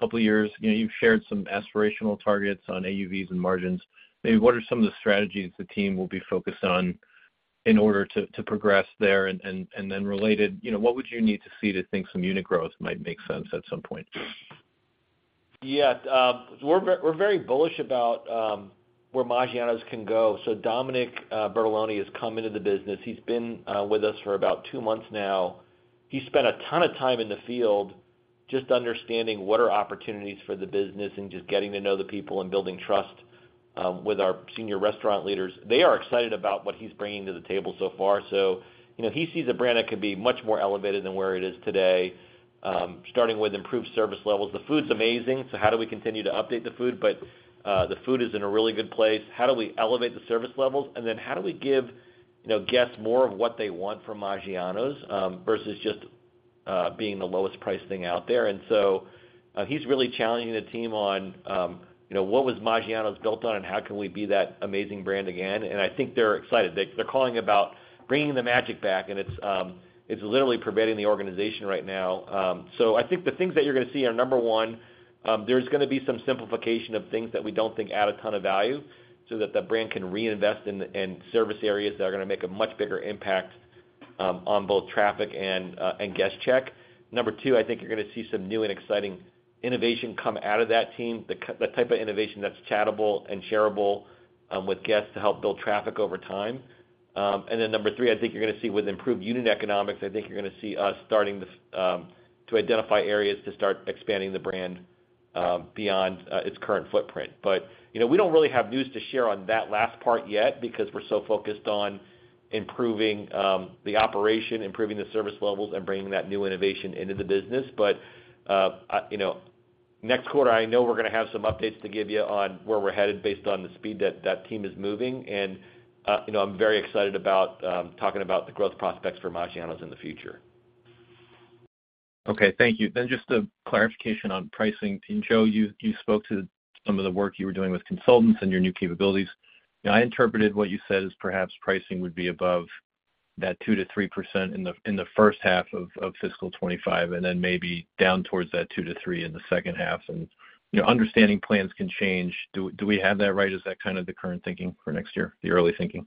couple of years? You know, you've shared some aspirational targets on AUVs and margins. Maybe what are some of the strategies the team will be focused on in order to progress there? And then related, you know, what would you need to see to think some unit growth might make sense at some point? Yeah, we're very bullish about where Maggiano's can go. So Dominique Bertolone has come into the business. He's been with us for about two months now. He spent a ton of time in the field just understanding what are opportunities for the business and just getting to know the people and building trust with our senior restaurant leaders. They are excited about what he's bringing to the table so far. So, you know, he sees a brand that could be much more elevated than where it is today, starting with improved service levels. The food's amazing, so how do we continue to update the food? But the food is in a really good place. How do we elevate the service levels? And then how do we give, you know, guests more of what they want from Maggiano's, versus just being the lowest priced thing out there? And so he's really challenging the team on, you know, what was Maggiano's built on, and how can we be that amazing brand again? And I think they're excited. They, they're calling about bringing the magic back, and it's literally pervading the organization right now. So I think the things that you're going to see are, number one, there's going to be some simplification of things that we don't think add a ton of value so that the brand can reinvest in service areas that are going to make a much bigger impact on both traffic and guest check. Number two, I think you're going to see some new and exciting innovation come out of that team, the type of innovation that's chattable and shareable with guests to help build traffic over time. And then number three, I think you're going to see with improved unit economics, I think you're going to see us starting to identify areas to start expanding the brand beyond its current footprint. But, you know, we don't really have news to share on that last part yet because we're so focused on improving the operation, improving the service levels, and bringing that new innovation into the business. But, you know, next quarter, I know we're going to have some updates to give you on where we're headed based on the speed that that team is moving. And, you know, I'm very excited about talking about the growth prospects for Maggiano's in the future. Okay, thank you. Then just a clarification on pricing. And Joe, you spoke to some of the work you were doing with consultants and your new capabilities. Now, I interpreted what you said as perhaps pricing would be above that 2%-3% in the first half of fiscal 2025, and then maybe down towards that 2%-3% in the second half. And, you know, understanding plans can change, do we have that right? Is that kind of the current thinking for next year, the early thinking?...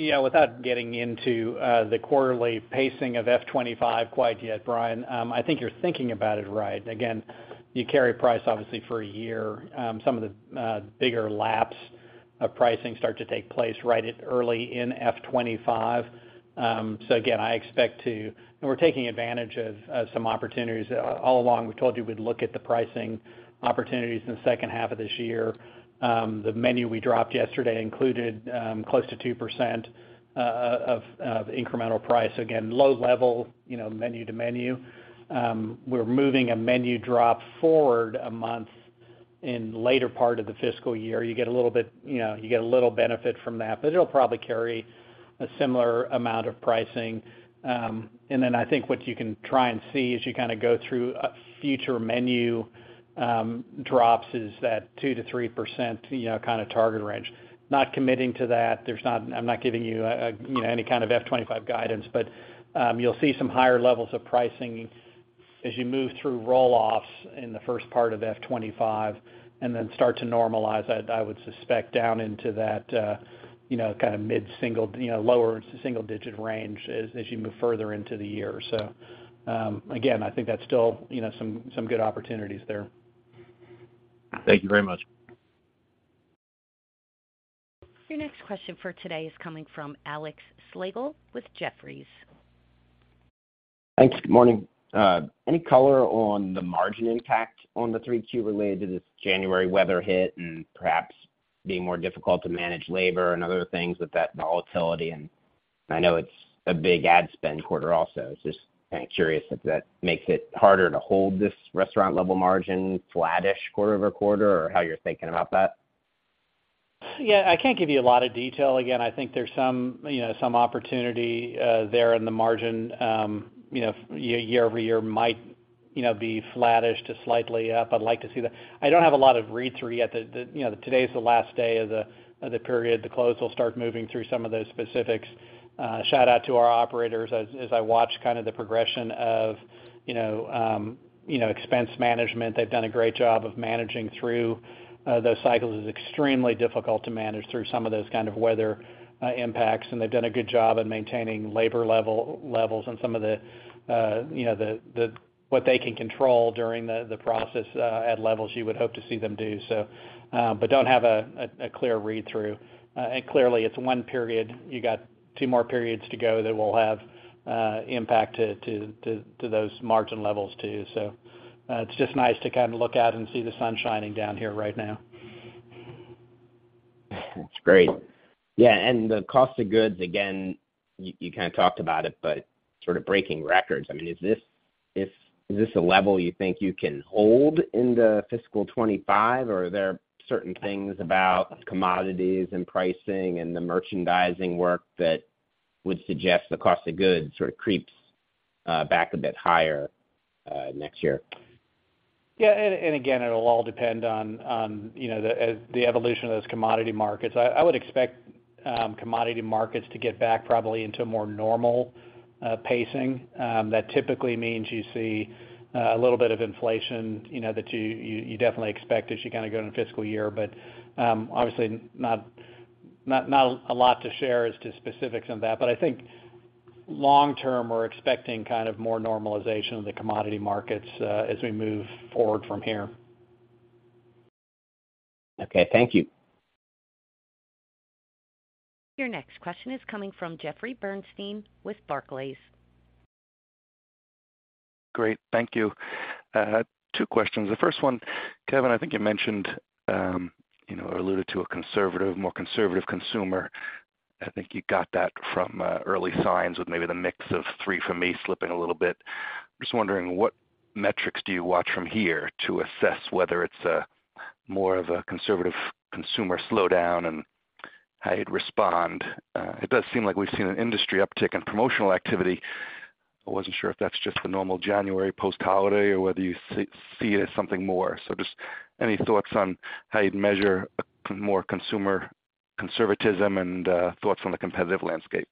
Yeah, without getting into the quarterly pacing of F 2025 quite yet, Brian, I think you're thinking about it right. Again, you carry price obviously for a year. Some of the bigger laps of pricing start to take place right at early in F 2025. So again, I expect to and we're taking advantage of some opportunities. All along, we've told you we'd look at the pricing opportunities in the second half of this year. The menu we dropped yesterday included close to 2% of incremental price. Again, low level, you know, menu to menu. We're moving a menu drop forward a month in later part of the fiscal year. You get a little bit, you know, you get a little benefit from that, but it'll probably carry a similar amount of pricing. And then I think what you can try and see as you kind of go through a future menu, drops, is that 2%-3%, you know, kind of target range. Not committing to that. I'm not giving you, you know, any kind of F 2025 guidance, but, you'll see some higher levels of pricing as you move through roll-offs in the first part of F 2025, and then start to normalize, I would suspect, down into that, you know, kind of mid-single, you know, lower single digit range as you move further into the year. So, again, I think that's still, you know, some good opportunities there. Thank you very much. Your next question for today is coming from Alex Slagle with Jefferies. Thanks. Good morning. Any color on the margin impact on the 3Q related to this January weather hit and perhaps being more difficult to manage labor and other things with that, the volatility, and I know it's a big ad spend quarter also. Just kind of curious if that makes it harder to hold this restaurant level margin flattish quarter over quarter, or how you're thinking about that? Yeah, I can't give you a lot of detail. Again, I think there's some, you know, some opportunity there in the margin. You know, year-over-year might, you know, be flattish to slightly up. I'd like to see that. I don't have a lot of read through yet. You know, today's the last day of the period. The close will start moving through some of those specifics. Shout out to our operators as I watch kind of the progression of, you know, expense management. They've done a great job of managing through those cycles. It's extremely difficult to manage through some of those kind of weather impacts, and they've done a good job in maintaining labor levels and some of the, you know, what they can control during the process at levels you would hope to see them do so. But don't have a clear read through. And clearly, it's one period. You got two more periods to go that will have impact to those margin levels, too. So, it's just nice to kind of look out and see the sun shining down here right now. That's great. Yeah, and the cost of goods, again, you kind of talked about it, but sort of breaking records. I mean, is this a level you think you can hold into fiscal 2025, or are there certain things about commodities and pricing and the merchandising work that would suggest the cost of goods sort of creeps back a bit higher next year? Yeah, and again, it'll all depend on, you know, the evolution of those commodity markets. I would expect commodity markets to get back probably into a more normal pacing. That typically means you see a little bit of inflation, you know, that you definitely expect as you kind of go into fiscal year. But obviously not a lot to share as to specifics on that. But I think long term, we're expecting kind of more normalization of the commodity markets as we move forward from here. Okay, thank you. Your next question is coming from Jeffrey Bernstein with Barclays. Great. Thank you. Two questions. The first one, Kevin, I think you mentioned, you know, or alluded to a conservative, more conservative consumer. I think you got that from early signs with maybe the mix of 3 For Me slipping a little bit. Just wondering, what metrics do you watch from here to assess whether it's a more of a conservative consumer slowdown and how you'd respond? It does seem like we've seen an industry uptick in promotional activity. I wasn't sure if that's just the normal January post-holiday or whether you see it as something more. So just any thoughts on how you'd measure a more consumer conservatism and thoughts on the competitive landscape?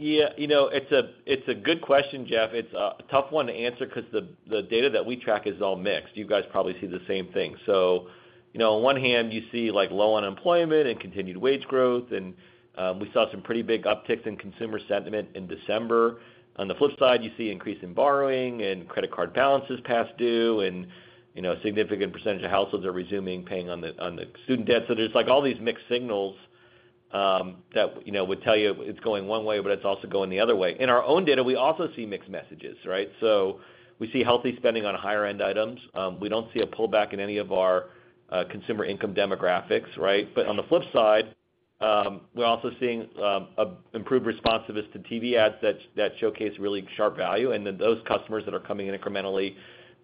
Yeah, you know, it's a, it's a good question, Jeff. It's a, a tough one to answer 'cause the, the data that we track is all mixed. You guys probably see the same thing. So, you know, on one hand, you see like low unemployment and continued wage growth, and we saw some pretty big upticks in consumer sentiment in December. On the flip side, you see increase in borrowing and credit card balances past due, and, you know, a significant percentage of households are resuming paying on the, on the student debt. So there's like all these mixed signals that, you know, would tell you it's going one way, but it's also going the other way. In our own data, we also see mixed messages, right? So we see healthy spending on higher end items. We don't see a pullback in any of our consumer income demographics, right? But on the flip side, we're also seeing a improved responsiveness to TV ads that showcase really sharp value, and then those customers that are coming in incrementally,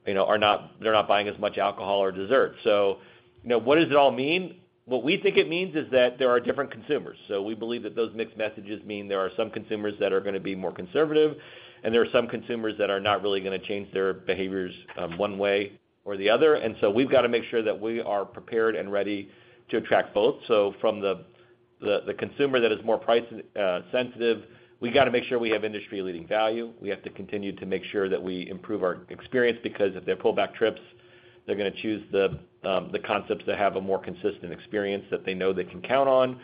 you know, are not - they're not buying as much alcohol or dessert. So, you know, what does it all mean? What we think it means is that there are different consumers. So we believe that those mixed messages mean there are some consumers that are gonna be more conservative, and there are some consumers that are not really gonna change their behaviors one way or the other. And so we've got to make sure that we are prepared and ready to attract both. So from the-... The consumer that is more price sensitive, we got to make sure we have industry-leading value. We have to continue to make sure that we improve our experience, because if they pull back trips, they're going to choose the concepts that have a more consistent experience that they know they can count on.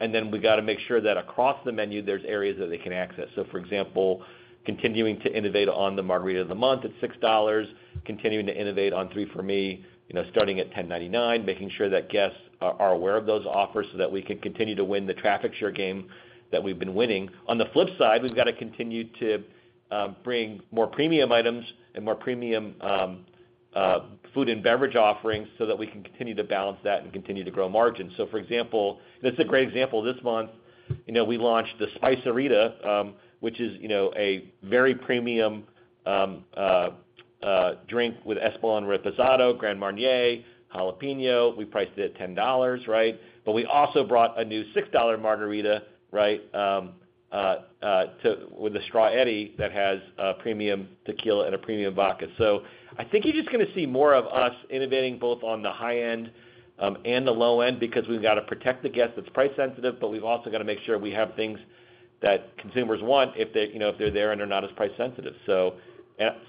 And then we've got to make sure that across the menu, there's areas that they can access. So for example, continuing to innovate on the Margarita of the Month at $6, continuing to innovate on 3 For Me, you know, starting at $10.99, making sure that guests are aware of those offers so that we can continue to win the traffic share game that we've been winning. On the flip side, we've got to continue to bring more premium items and more premium food and beverage offerings so that we can continue to balance that and continue to grow margins. So for example, this is a great example. This month, you know, we launched the Spice-A-Rita, which is, you know, a very premium drink with Espolòn Reposado, Grand Marnier, jalapeño. We priced it at $10, right? But we also brought a new $6 margarita, right, with the Straw-Eddy that has a premium tequila and a premium vodka. So I think you're just going to see more of us innovating both on the high end, and the low end, because we've got to protect the guest that's price sensitive, but we've also got to make sure we have things that consumers want if they, you know, if they're there and are not as price sensitive. So,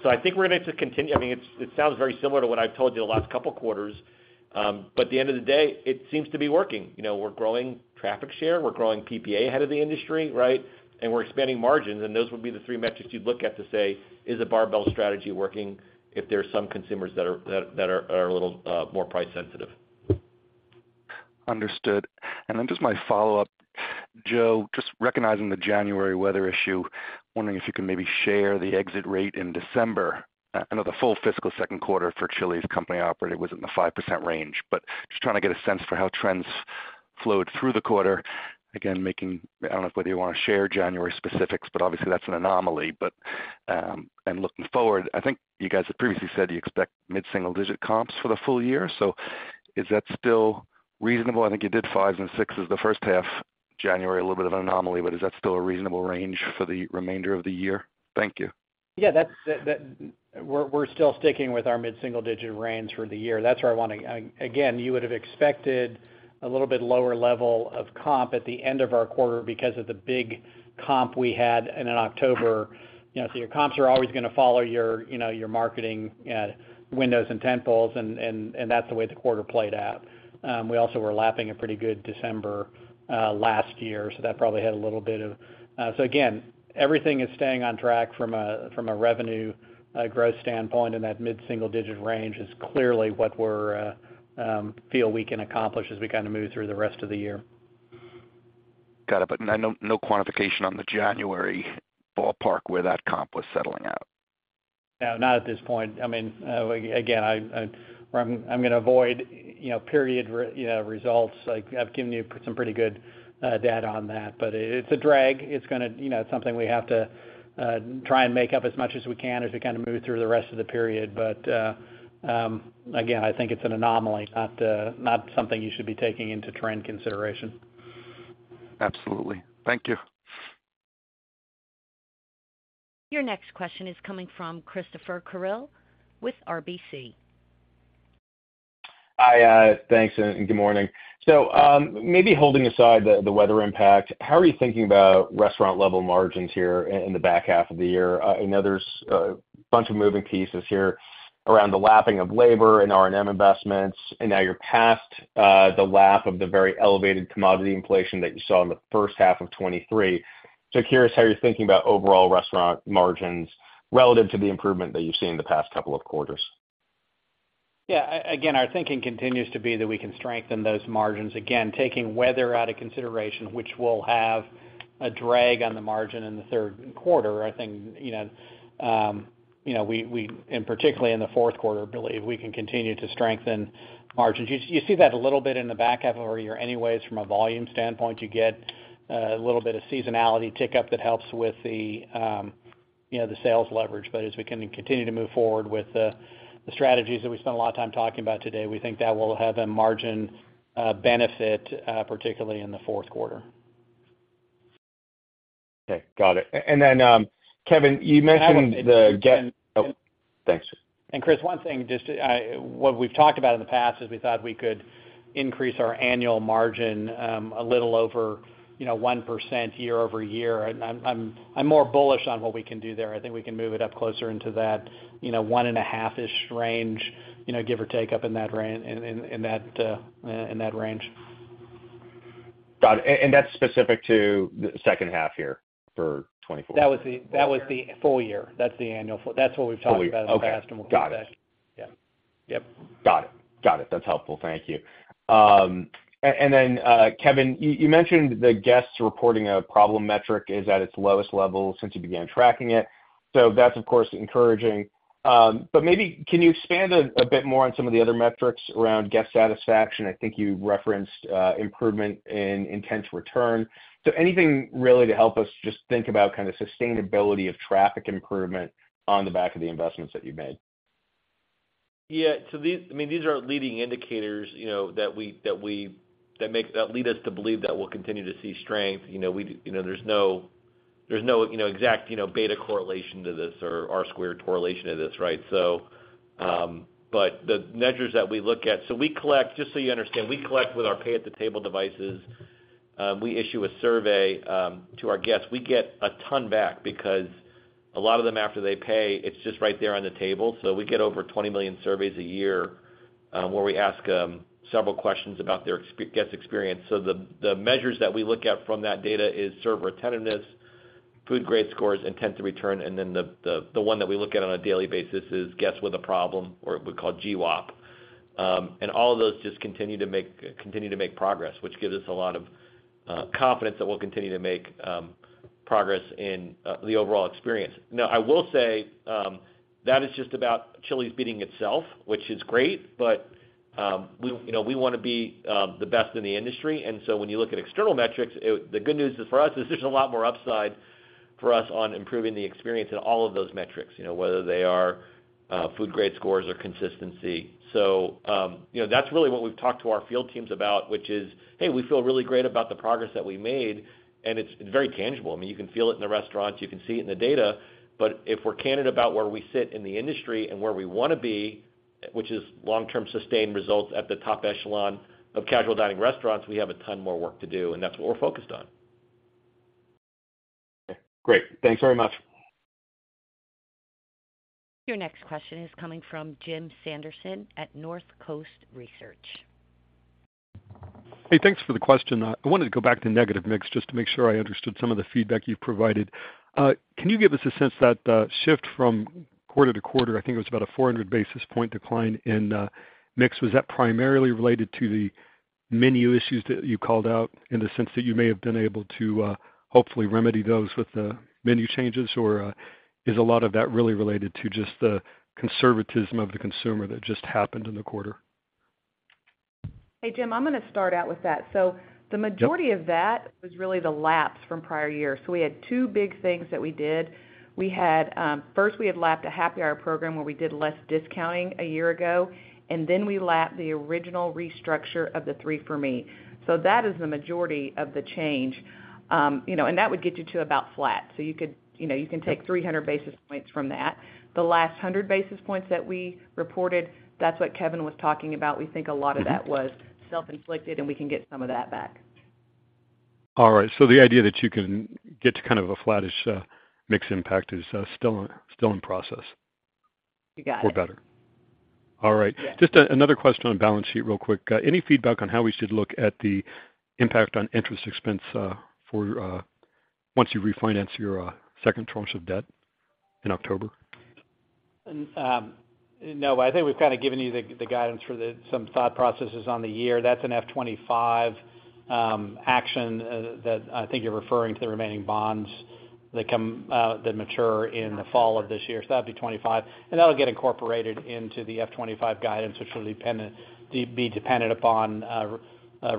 so I think we're going to continue. I mean, it sounds very similar to what I've told you the last couple of quarters. But at the end of the day, it seems to be working. You know, we're growing traffic share, we're growing PPA ahead of the industry, right? And we're expanding margins, and those would be the three metrics you'd look at to say, is a barbell strategy working if there are some consumers that are a little more price sensitive. Understood. Then just my follow-up, Joe, just recognizing the January weather issue, wondering if you can maybe share the exit rate in December. I know the full fiscal second quarter for Chili's company operated was in the 5% range, but just trying to get a sense for how trends flowed through the quarter. Again, I don't know whether you want to share January specifics, but obviously, that's an anomaly. But, and looking forward, I think you guys have previously said you expect mid-single-digit comps for the full year. So is that still reasonable? I think you did 5s and 6s the first half, January, a little bit of an anomaly, but is that still a reasonable range for the remainder of the year? Thank you. Yeah, that's... We're still sticking with our mid-single-digit range for the year. That's where I want to-- Again, you would have expected a little bit lower level of comp at the end of our quarter because of the big comp we had in October. You know, so your comps are always going to follow your, you know, your marketing windows and templates, and that's the way the quarter played out. We also were lapping a pretty good December last year, so that probably had a little bit of... So again, everything is staying on track from a revenue growth standpoint, and that mid-single digit range is clearly what we're feel we can accomplish as we kind of move through the rest of the year. Got it. But no, no quantification on the January ballpark where that comp was settling out? No, not at this point. I mean, again, I'm going to avoid, you know, period results. Like, I've given you some pretty good data on that, but it's a drag. It's going to, you know, it's something we have to try and make up as much as we can as we kind of move through the rest of the period. But, again, I think it's an anomaly, not something you should be taking into trend consideration. Absolutely. Thank you. Your next question is coming from Christopher Carril with RBC. Hi, thanks, and good morning. So, maybe holding aside the weather impact, how are you thinking about restaurant-level margins here in the back half of the year? I know there's a bunch of moving pieces here around the lapping of labor and R&M investments, and now you're past the lap of the very elevated commodity inflation that you saw in the first half of 2023. So curious how you're thinking about overall restaurant margins relative to the improvement that you've seen in the past couple of quarters. Yeah. Again, our thinking continues to be that we can strengthen those margins. Again, taking weather out of consideration, which will have a drag on the margin in the third quarter. I think, you know, you know, we, we, and particularly in the fourth quarter, believe we can continue to strengthen margins. You, you see that a little bit in the back half of the year anyways, from a volume standpoint. You get a little bit of seasonality tick-up that helps with the, you know, the sales leverage. But as we continue to move forward with the, the strategies that we spent a lot of time talking about today, we think that will have a margin benefit, particularly in the fourth quarter. Okay, got it. And then, Kevin, you mentioned the get- And I would- Oh, thanks. Chris, one thing, just, what we've talked about in the past is we thought we could increase our annual margin a little over, you know, 1% year-over-year. I'm more bullish on what we can do there. I think we can move it up closer into that, you know, 1.5-ish range, you know, give or take, up in that range. Got it. And that's specific to the second half here for 2024? That was the- Full year. That was the full year. That's the annual full... That's what we've talked about. Full year. in the past, and we'll get back. Okay. Got it. Yeah. Yep, got it. Got it. That's helpful. Thank you. And then, Kevin, you mentioned the guests reporting a problem metric is at its lowest level since you began tracking it. So that's, of course, encouraging. But maybe can you expand a bit more on some of the other metrics around guest satisfaction? I think you referenced improvement in intent to return. So anything really to help us just think about kind of sustainability of traffic improvement on the back of the investments that you made? Yeah, so these. I mean, these are leading indicators, you know, that lead us to believe that we'll continue to see strength. You know, you know, there's no exact, you know, beta correlation to this or R squared correlation to this, right? So, but the measures that we look at. So we collect, just so you understand, we collect with our pay at the table devices, we issue a survey to our guests. We get a ton back because a lot of them, after they pay, it's just right there on the table. So we get over 20 million surveys a year, where we ask several questions about their guest experience. So the measures that we look at from that data is Server Attentiveness, Food Grade scores, Intent to Return, and then the one that we look at on a daily basis is Guests With a Problem, or we call GWAP. And all of those just continue to make, continue to make progress, which gives us a lot of confidence that we'll continue to make progress in the overall experience. Now, I will say, that is just about Chili's beating itself, which is great, but, we, you know, we wanna be, the best in the industry. And so when you look at external metrics, it, the good news is, for us, is there's a lot more upside for us on improving the experience in all of those metrics, you know, whether they are, Food Grade scores or consistency. So, you know, that's really what we've talked to our field teams about, which is, hey, we feel really great about the progress that we made, and it's very tangible. I mean, you can feel it in the restaurants, you can see it in the data, but if we're candid about where we sit in the industry and where we wanna be, which is long-term, sustained results at the top echelon of casual dining restaurants, we have a ton more work to do, and that's what we're focused on. Great. Thanks very much. Your next question is coming from Jim Sanderson at North Coast Research. Hey, thanks for the question. I wanted to go back to negative mix just to make sure I understood some of the feedback you've provided. Can you give us a sense that, shift from quarter to quarter, I think it was about a 400 basis point decline in, mix, was that primarily related to the menu issues that you called out, in the sense that you may have been able to, hopefully remedy those with the menu changes? Or, is a lot of that really related to just the conservatism of the consumer that just happened in the quarter? Hey, Jim, I'm gonna start out with that. Yep. So the majority of that was really the lapse from prior years. So we had two big things that we did. We had, first, we had lapped a happy hour program where we did less discounting a year ago, and then we lapped the original restructure of the 3 For Me. So that is the majority of the change. You know, and that would get you to about flat. So you could, you know, you can take 300 basis points from that. The last 100 basis points that we reported, that's what Kevin was talking about. We think a lot of that was self-inflicted, and we can get some of that back. All right, so the idea that you can get to kind of a flattish, mix impact is, still, still in process? You got it. For better. All right. Yeah. Just, another question on balance sheet real quick. Any feedback on how we should look at the impact on interest expense, for, once you refinance your, second tranche of debt in October? No, I think we've kind of given you the guidance for the year, some thought processes on the year. That's an F-2025 action that I think you're referring to the remaining bonds that mature in the fall of this year. So that'd be 2025, and that'll get incorporated into the F-2025 guidance, which will be dependent upon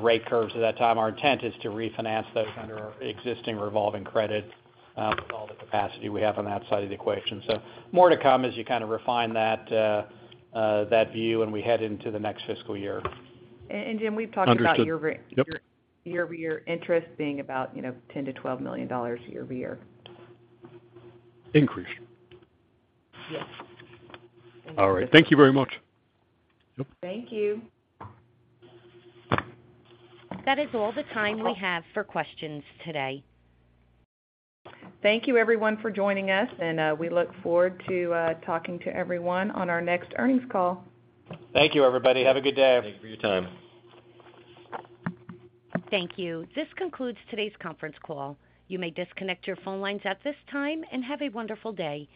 rate curves at that time. Our intent is to refinance those under our existing revolving credit with all the capacity we have on that side of the equation. So more to come as you kind of refine that view and we head into the next fiscal year. and Jim, we've talked about- Understood. Yep... year-over-year interest being about, you know, $10 million-$12 million year-over-year. Increase? Yes. All right. Thank you very much. Thank you. That is all the time we have for questions today. Thank you everyone for joining us, and we look forward to talking to everyone on our next earnings call. Thank you, everybody. Have a good day. Thank you for your time. Thank you. This concludes today's conference call. You may disconnect your phone lines at this time, and have a wonderful day.